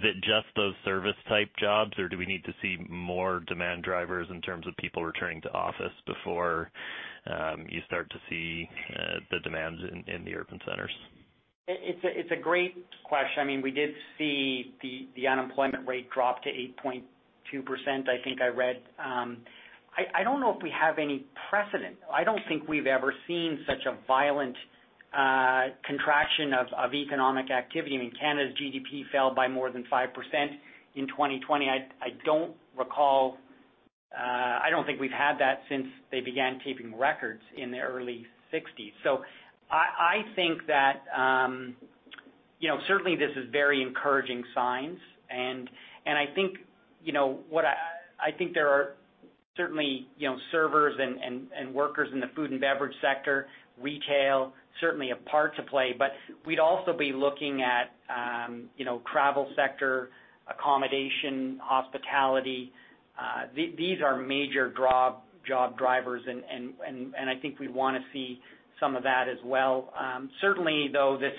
I: it just those service-type jobs, or do we need to see more demand drivers in terms of people returning to office before you start to see the demands in the urban centers?
B: It's a great question. We did see the unemployment rate drop to 8.2%, I think I read. I don't know if we have any precedent. I don't think we've ever seen such a violent contraction of economic activity. Canada's GDP fell by more than 5% in 2020. I don't think we've had that since they began keeping records in the early '60s. I think that certainly, this is very encouraging signs. I think there are certainly servers and workers in the food and beverage sector, retail, certainly a part to play. We'd also be looking at travel sector, accommodation, hospitality. These are major job drivers, and I think we'd want to see some of that as well. Certainly, though, this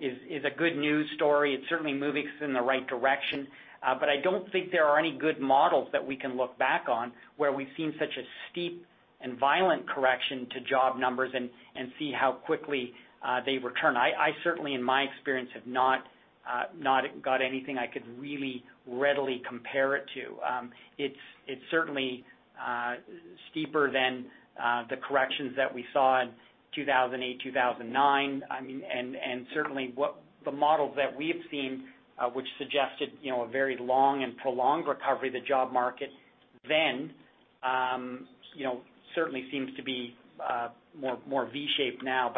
B: is a good news story. It's certainly moving us in the right direction. I don't think there are any good models that we can look back on where we've seen such a steep and violent correction to job numbers and see how quickly they return. I certainly, in my experience, have not got anything I could really readily compare it to. It's certainly steeper than the corrections that we saw in 2008, 2009. Certainly, the models that we've seen, which suggested a very long and prolonged recovery of the job market then certainly seems to be more V-shaped now.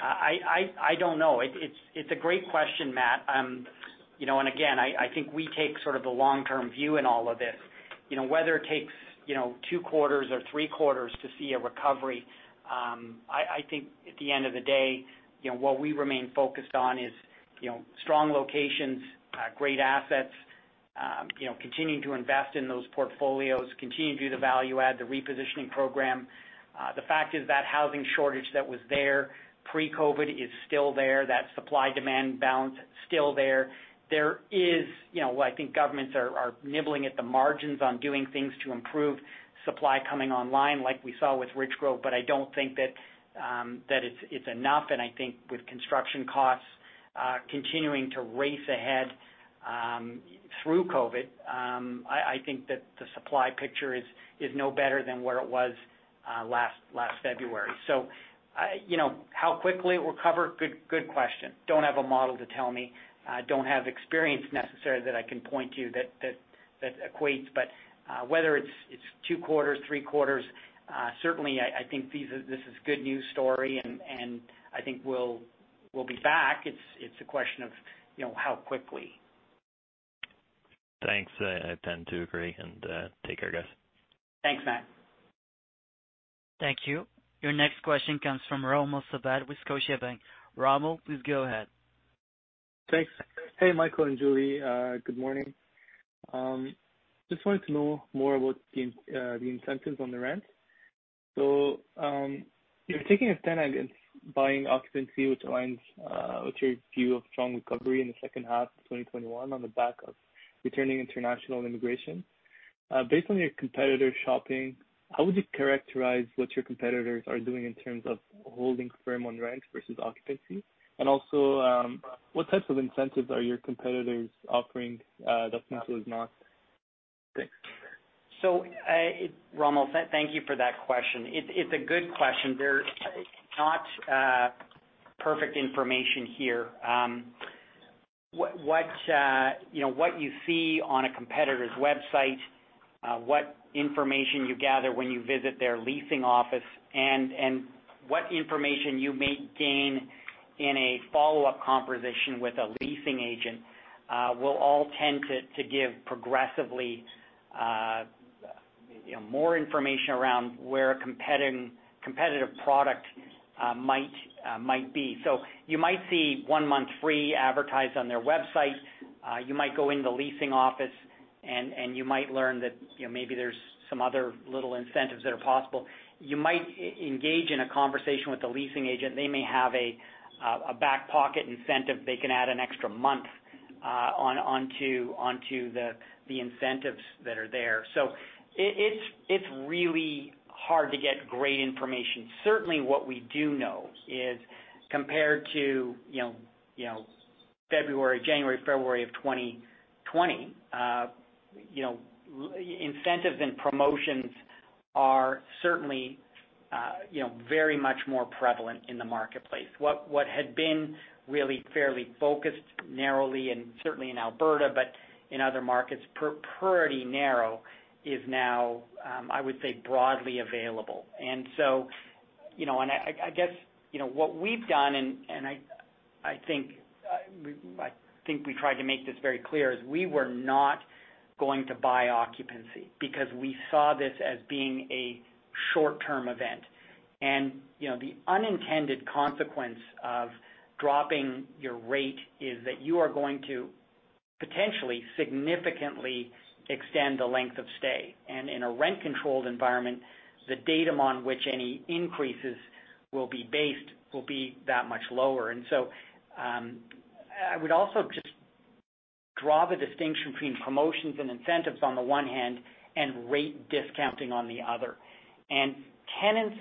B: I don't know. It's a great question, Matt. Again, I think we take sort of the long-term view in all of this. Whether it takes two quarters or three quarters to see a recovery, I think at the end of the day, what we remain focused on is strong locations, great assets. Continuing to invest in those portfolios, continuing to do the value add, the repositioning program. The fact is that housing shortage that was there pre-COVID is still there. That supply-demand balance, still there. Governments are nibbling at the margins on doing things to improve supply coming online, like we saw with Richgrove. I don't think that it's enough, and I think with construction costs continuing to race ahead through COVID, I think that the supply picture is no better than where it was last February. How quickly it will recover? Good question. Don't have a model to tell me. Don't have experience necessarily that I can point to that equates. Whether it's two quarters, three quarters, certainly, I think this is good news story, and I think we'll be back. It's a question of how quickly.
I: Thanks. I tend to agree, take care, guys.
B: Thanks, Matt.
A: Thank you. Your next question comes from Romel Sabat with Scotiabank. Romel, please go ahead.
J: Thanks. Hey, Michael and Julie. Good morning. Just wanted to know more about the incentives on the rents. You're taking a stand against buying occupancy, which aligns with your view of strong recovery in the second half of 2021 on the back of returning international immigration. Based on your competitor shopping, how would you characterize what your competitors are doing in terms of holding firm on rents versus occupancy? Also, what types of incentives are your competitors offering that Minto is not? Thanks.
B: Romel, thank you for that question. It's a good question. There's not perfect information here. What you see on a competitor's website, what information you gather when you visit their leasing office, and what information you may gain in a follow-up conversation with a leasing agent, will all tend to give progressively more information around where a competitive product might be. You might see one month free advertised on their website. You might go in the leasing office, and you might learn that maybe there's some other little incentives that are possible. You might engage in a conversation with the leasing agent. They may have a back-pocket incentive. They can add an extra month onto the incentives that are there. It's really hard to get great information. Certainly, what we do know is compared to January, February of 2020, incentives and promotions are certainly very much more prevalent in the marketplace. What had been really fairly focused narrowly, and certainly in Alberta, but in other markets, pretty narrow, is now, I would say, broadly available. I guess what we've done, and I think we tried to make this very clear, is we were not going to buy occupancy because we saw this as being a short-term event. The unintended consequence of dropping your rate is that you are going to potentially significantly extend the length of stay. In a rent-controlled environment, the datum on which any increases will be based will be that much lower. I would also just draw the distinction between promotions and incentives on the one hand, and rate discounting on the other. Tenants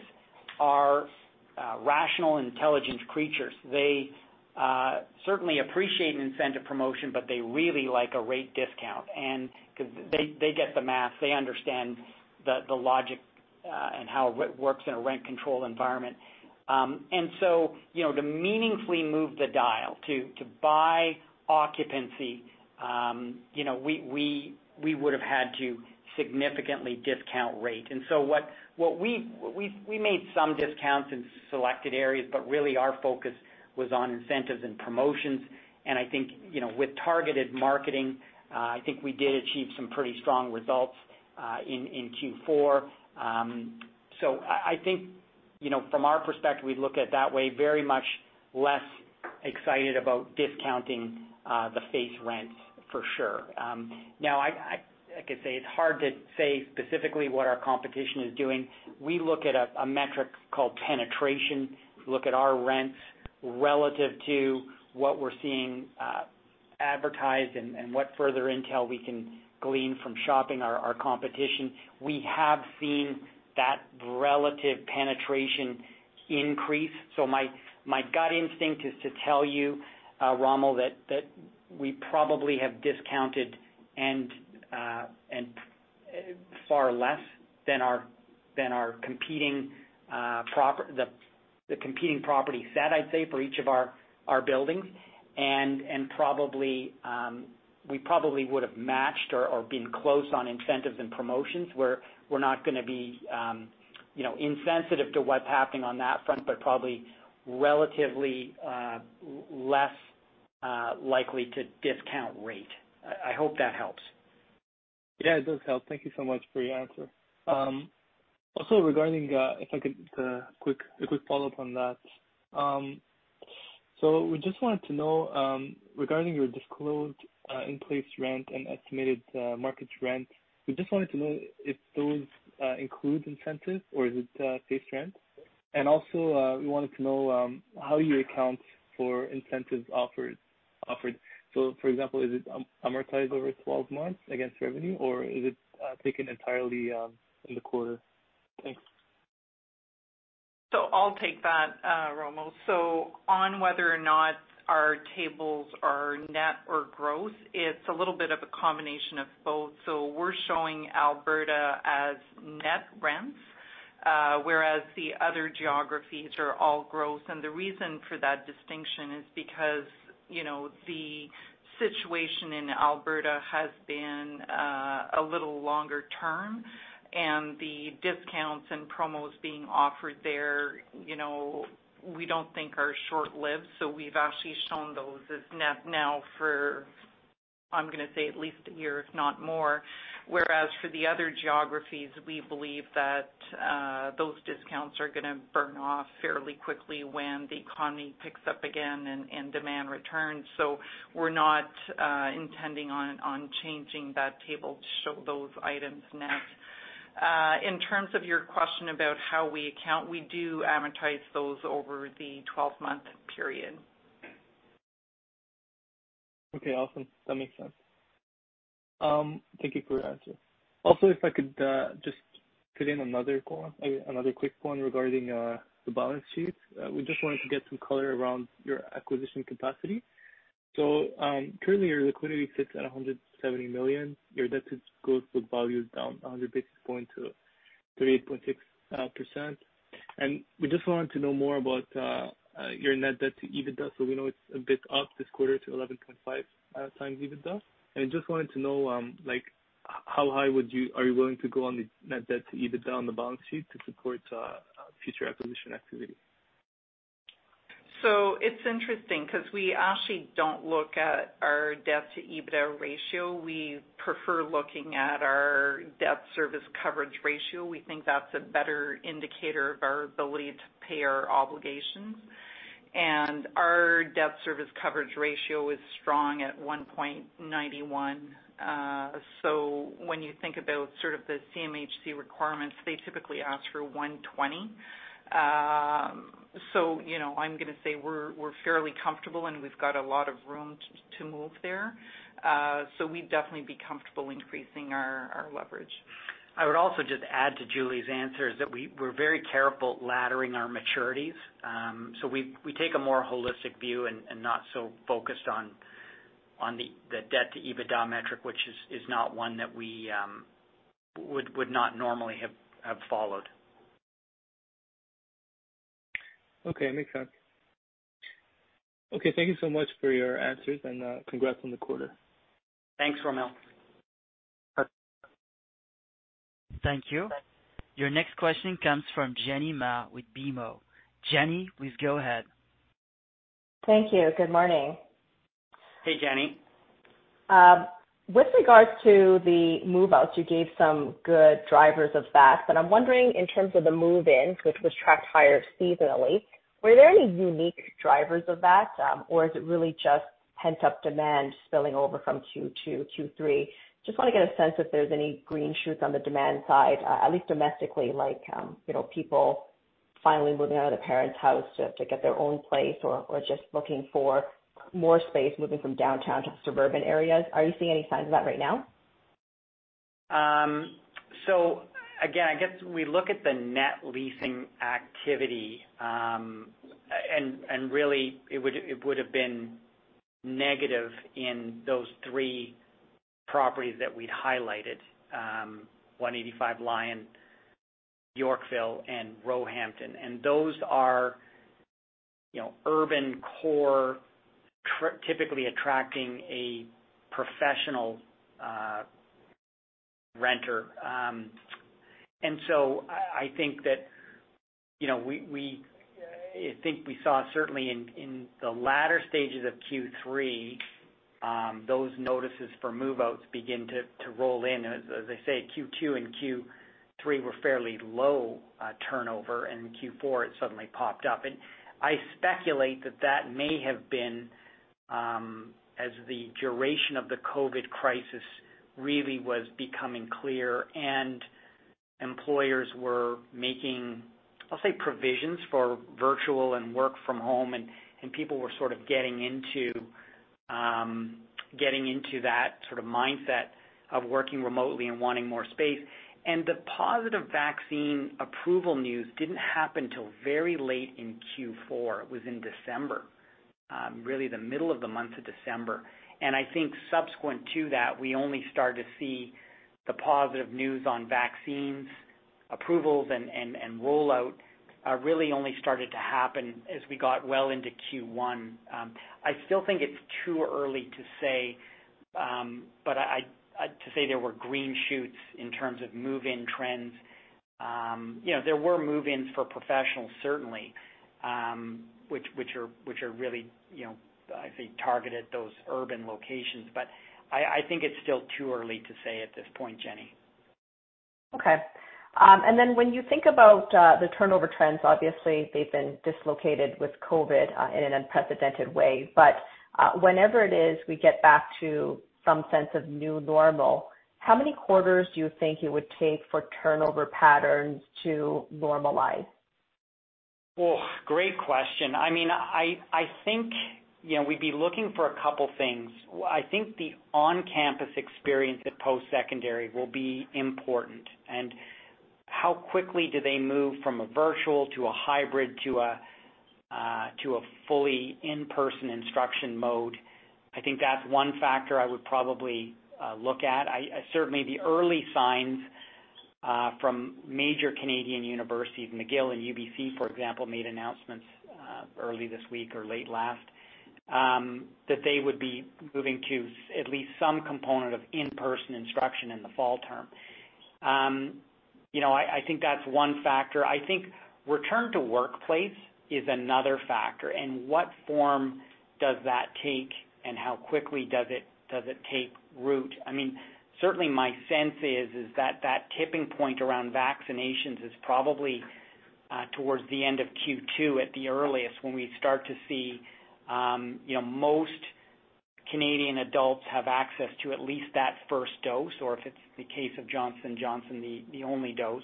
B: are rational, intelligent creatures. They certainly appreciate an incentive promotion, but they really like a rate discount. Because they get the math, they understand the logic, and how it works in a rent-controlled environment. To meaningfully move the dial, to buy occupancy, we would've had to significantly discount rate. We made some discounts in selected areas, but really our focus was on incentives and promotions. I think, with targeted marketing, I think we did achieve some pretty strong results in Q4. I think from our perspective, we look at it that way, very much less excited about discounting the face rents for sure. Like I say, it's hard to say specifically what our competition is doing. We look at a metric called penetration. We look at our rents relative to what we're seeing advertised and what further intel we can glean from shopping our competition. We have seen that relative penetration increase. My gut instinct is to tell you, Romel, that we probably have discounted far less than the competing property set, I'd say, for each of our buildings. We probably would've matched or been close on incentives and promotions, where we're not going to be insensitive to what's happening on that front, but probably relatively less likely to discount rate. I hope that helps.
J: Yeah, it does help. Thank you so much for your answer. Also regarding, if I could, a quick follow-up on that. We just wanted to know, regarding your disclosed in-place rent and estimated market rent, we just wanted to know if those include incentives or is it base rent? Also, we wanted to know how you account for incentives offered. For example, is it amortized over 12 months against revenue, or is it taken entirely in the quarter? Thanks.
C: I'll take that, Romel. On whether or not our tables are net or gross, it's a little bit of a combination of both. We're showing Alberta as net rents, whereas the other geographies are all gross. The reason for that distinction is because the situation in Alberta has been a little longer term, and the discounts and promos being offered there, we don't think are short-lived. We've actually shown those as net now for, I'm going to say at least a year, if not more. Whereas for the other geographies, we believe that those discounts are going to burn off fairly quickly when the economy picks up again and demand returns. We're not intending on changing that table to show those items net. In terms of your question about how we account, we do amortize those over the 12-month period.
J: Okay, awesome. That makes sense. Thank you for your answer. If I could just fit in another quick one regarding the balance sheet. We just wanted to get some color around your acquisition capacity. Currently your liquidity sits at 170 million. Your debt to gross book value is down 100 basis points to 38.6%. We just wanted to know more about your net debt to EBITDA. We know it's a bit up this quarter to 11.5 times EBITDA. Just wanted to know how high are you willing to go on the net debt to EBITDA on the balance sheet to support future acquisition activity?
C: It's interesting because we actually don't look at our debt to EBITDA ratio. We prefer looking at our debt service coverage ratio. We think that's a better indicator of our ability to pay our obligations. Our debt service coverage ratio is strong at 1.91. When you think about sort of the CMHC requirements, they typically ask for 1.20. I'm going to say we're fairly comfortable, and we've got a lot of room to move there. We'd definitely be comfortable increasing our leverage.
B: I would also just add to Julie's answer is that we're very careful laddering our maturities. We take a more holistic view and not so focused on the debt to EBITDA metric, which is not one that we would not normally have followed.
J: Okay. Makes sense. Okay, thank you so much for your answers and congrats on the quarter.
B: Thanks, Romel.
J: Bye.
A: Thank you. Your next question comes from Jenny Ma with BMO. Jenny, please go ahead.
K: Thank you. Good morning.
B: Hey, Jenny.
K: With regards to the move-outs, you gave some good drivers of that, but I'm wondering in terms of the move-ins, which was tracked higher seasonally, were there any unique drivers of that? Is it really just pent-up demand spilling over from Q2, Q3? Just want to get a sense if there's any green shoots on the demand side, at least domestically, like, people finally moving out of their parents' house to get their own place or just looking for more space, moving from downtown to suburban areas. Are you seeing any signs of that right now?
B: Again, I guess we look at the net leasing activity, and really, it would have been negative in those three properties that we'd highlighted, 185 Lyon, Yorkville, and Roehampton. Those are urban core, typically attracting a professional renter. I think we saw certainly in the latter stages of Q3, those notices for move-outs begin to roll in. As I say, Q2 and Q3 were fairly low turnover, and in Q4 it suddenly popped up. I speculate that that may have been as the duration of the COVID crisis really was becoming clear and employers were making, I'll say, provisions for virtual and work from home, and people were sort of getting into that sort of mindset of working remotely and wanting more space. The positive vaccine approval news didn't happen till very late in Q4. It was in December. Really the middle of the month of December. I think subsequent to that, we only started to see the positive news on vaccines approvals and rollout really only started to happen as we got well into Q1. I still think it's too early to say there were green shoots in terms of move-in trends. There were move-ins for professionals, certainly, which are really, I'd say, targeted those urban locations. I think it's still too early to say at this point, Jenny.
K: Okay. Then when you think about the turnover trends, obviously they've been dislocated with COVID in an unprecedented way. Whenever it is we get back to some sense of new normal, how many quarters do you think it would take for turnover patterns to normalize?
B: Great question. I think we'd be looking for a couple things. I think the on-campus experience at post-secondary will be important, and how quickly do they move from a virtual to a hybrid to a fully in-person instruction mode. I think that's one factor I would probably look at. Certainly, the early signs from major Canadian universities, McGill and UBC, for example, made announcements early this week or late last, that they would be moving to at least some component of in-person instruction in the fall term. I think that's one factor. I think return to workplace is another factor. What form does that take, and how quickly does it take root? Certainly my sense is that tipping point around vaccinations is probably towards the end of Q2 at the earliest, when we start to see most Canadian adults have access to at least that first dose, or if it's the case of Johnson & Johnson, the only dose.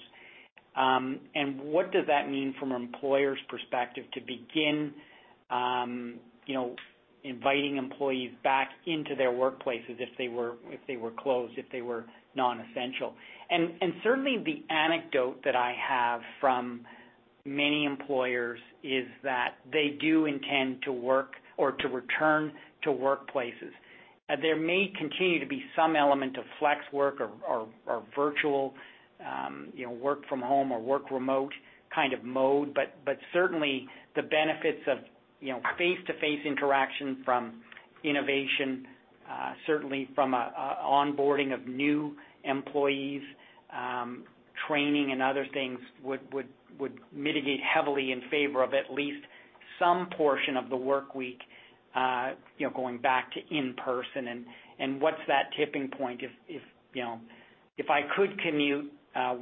B: What does that mean from an employer's perspective to begin inviting employees back into their workplaces if they were closed, if they were non-essential. Certainly the anecdote that I have from many employers is that they do intend to work or to return to workplaces. There may continue to be some element of flex work or virtual work from home or work remote kind of mode. Certainly the benefits of face-to-face interaction from innovation, certainly from onboarding of new employees, training and other things would mitigate heavily in favor of at least some portion of the work week going back to in-person. What's that tipping point? If I could commute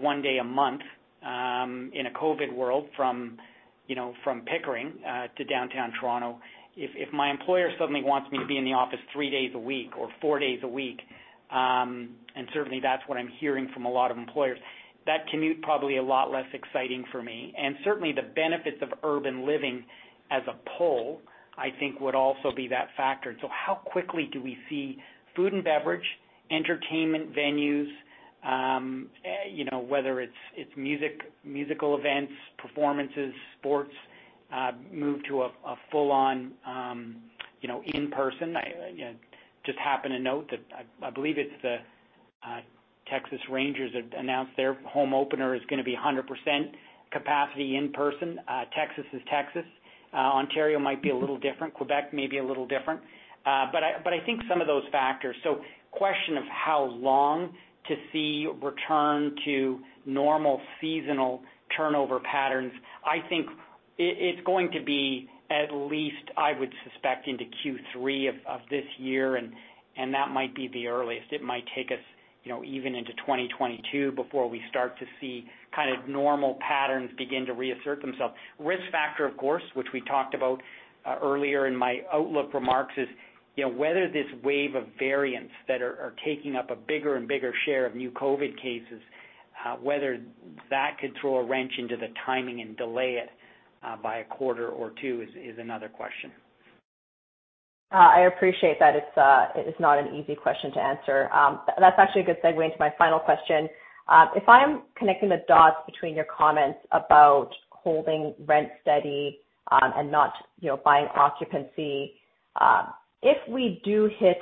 B: one day a month in a COVID world from Pickering to downtown Toronto, if my employer suddenly wants me to be in the office three days a week or four days a week, certainly that's what I'm hearing from a lot of employers, that commute probably a lot less exciting for me. Certainly the benefits of urban living as a pull, I think, would also be that factor. How quickly do we see food and beverage, entertainment venues, whether it's musical events, performances, sports, move to a full-on in-person? Just happened to note that I believe it's the Texas Rangers have announced their home opener is going to be 100% capacity in person. Texas is Texas. Ontario might be a little different. Quebec may be a little different. The question is how long to see return to normal seasonal turnover patterns. I think it's going to be at least, I would suspect, into Q3 of this year, and that might be the earliest. It might take us even into 2022 before we start to see kind of normal patterns begin to reassert themselves. Risk factor, of course, which we talked about earlier in my outlook remarks is, whether this wave of variants that are taking up a bigger and bigger share of new COVID cases, whether that could throw a wrench into the timing and delay it by a quarter or two is another question.
K: I appreciate that it's not an easy question to answer. That's actually a good segue into my final question. If I'm connecting the dots between your comments about holding rent steady and not buying occupancy, if we do hit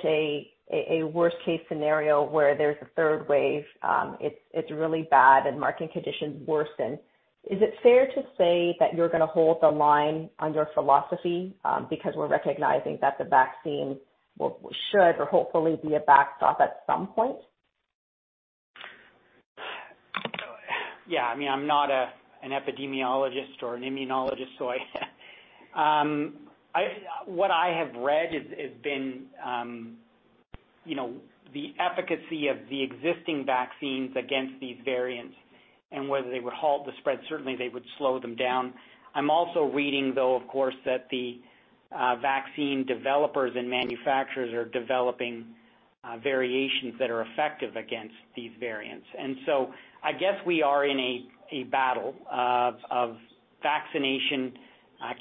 K: a worst-case scenario where there's a third wave, it's really bad, and market conditions worsen, is it fair to say that you're going to hold the line on your philosophy because we're recognizing that the vaccine should or hopefully be a backstop at some point?
B: Yeah. I'm not an epidemiologist or an immunologist. What I have read has been the efficacy of the existing vaccines against these variants, and whether they would halt the spread. Certainly, they would slow them down. I'm also reading, though, of course, that the vaccine developers and manufacturers are developing variations that are effective against these variants. I guess we are in a battle of vaccination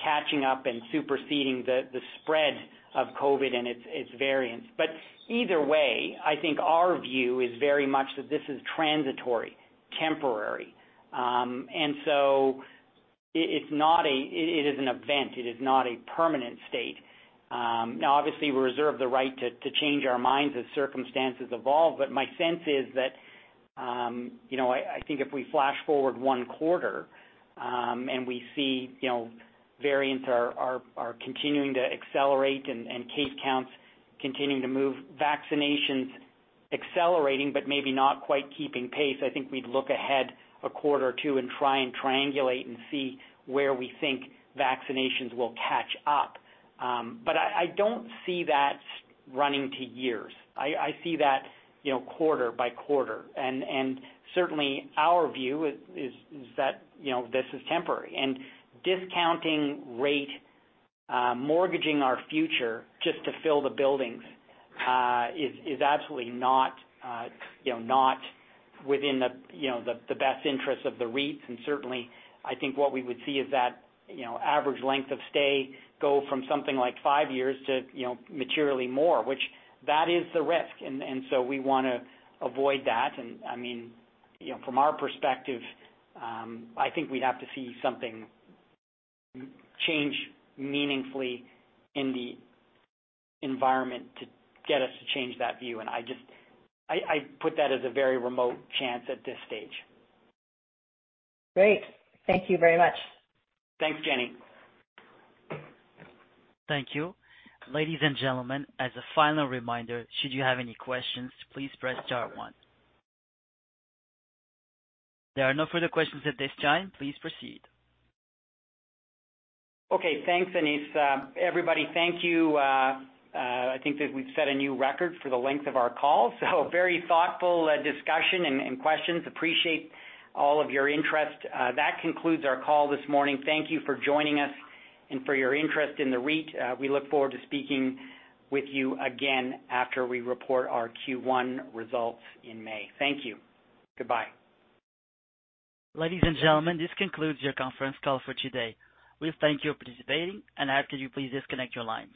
B: catching up and superseding the spread of COVID and its variants. Either way, I think our view is very much that this is transitory, temporary. It is an event. It is not a permanent state. Now obviously we reserve the right to change our minds as circumstances evolve. My sense is that, I think if we flash forward one quarter, and we see variants are continuing to accelerate and case counts continuing to move, vaccinations accelerating but maybe not quite keeping pace, I think we'd look ahead a quarter or two and try and triangulate and see where we think vaccinations will catch up. I don't see that running to years. I see that quarter by quarter. Certainly our view is that this is temporary. Discounting rate, mortgaging our future just to fill the buildings is absolutely not within the best interest of the REITs. Certainly, I think what we would see is that average length of stay go from something like five years to materially more, which that is the risk. We want to avoid that. From our perspective, I think we'd have to see something change meaningfully in the environment to get us to change that view. I put that as a very remote chance at this stage.
K: Great. Thank you very much.
B: Thanks, Jenny.
A: Thank you. Ladies and gentlemen, as a final reminder, should you have any questions, please press star one. There are no further questions at this time. Please proceed.
B: Okay. Thanks, Anis. Everybody, thank you. I think that we've set a new record for the length of our call. Very thoughtful discussion and questions. Appreciate all of your interest. That concludes our call this morning. Thank you for joining us and for your interest in the REIT. We look forward to speaking with you again after we report our Q1 results in May. Thank you. Goodbye.
A: Ladies and gentlemen, this concludes your conference call for today. We thank you for participating, and I ask that you please disconnect your lines.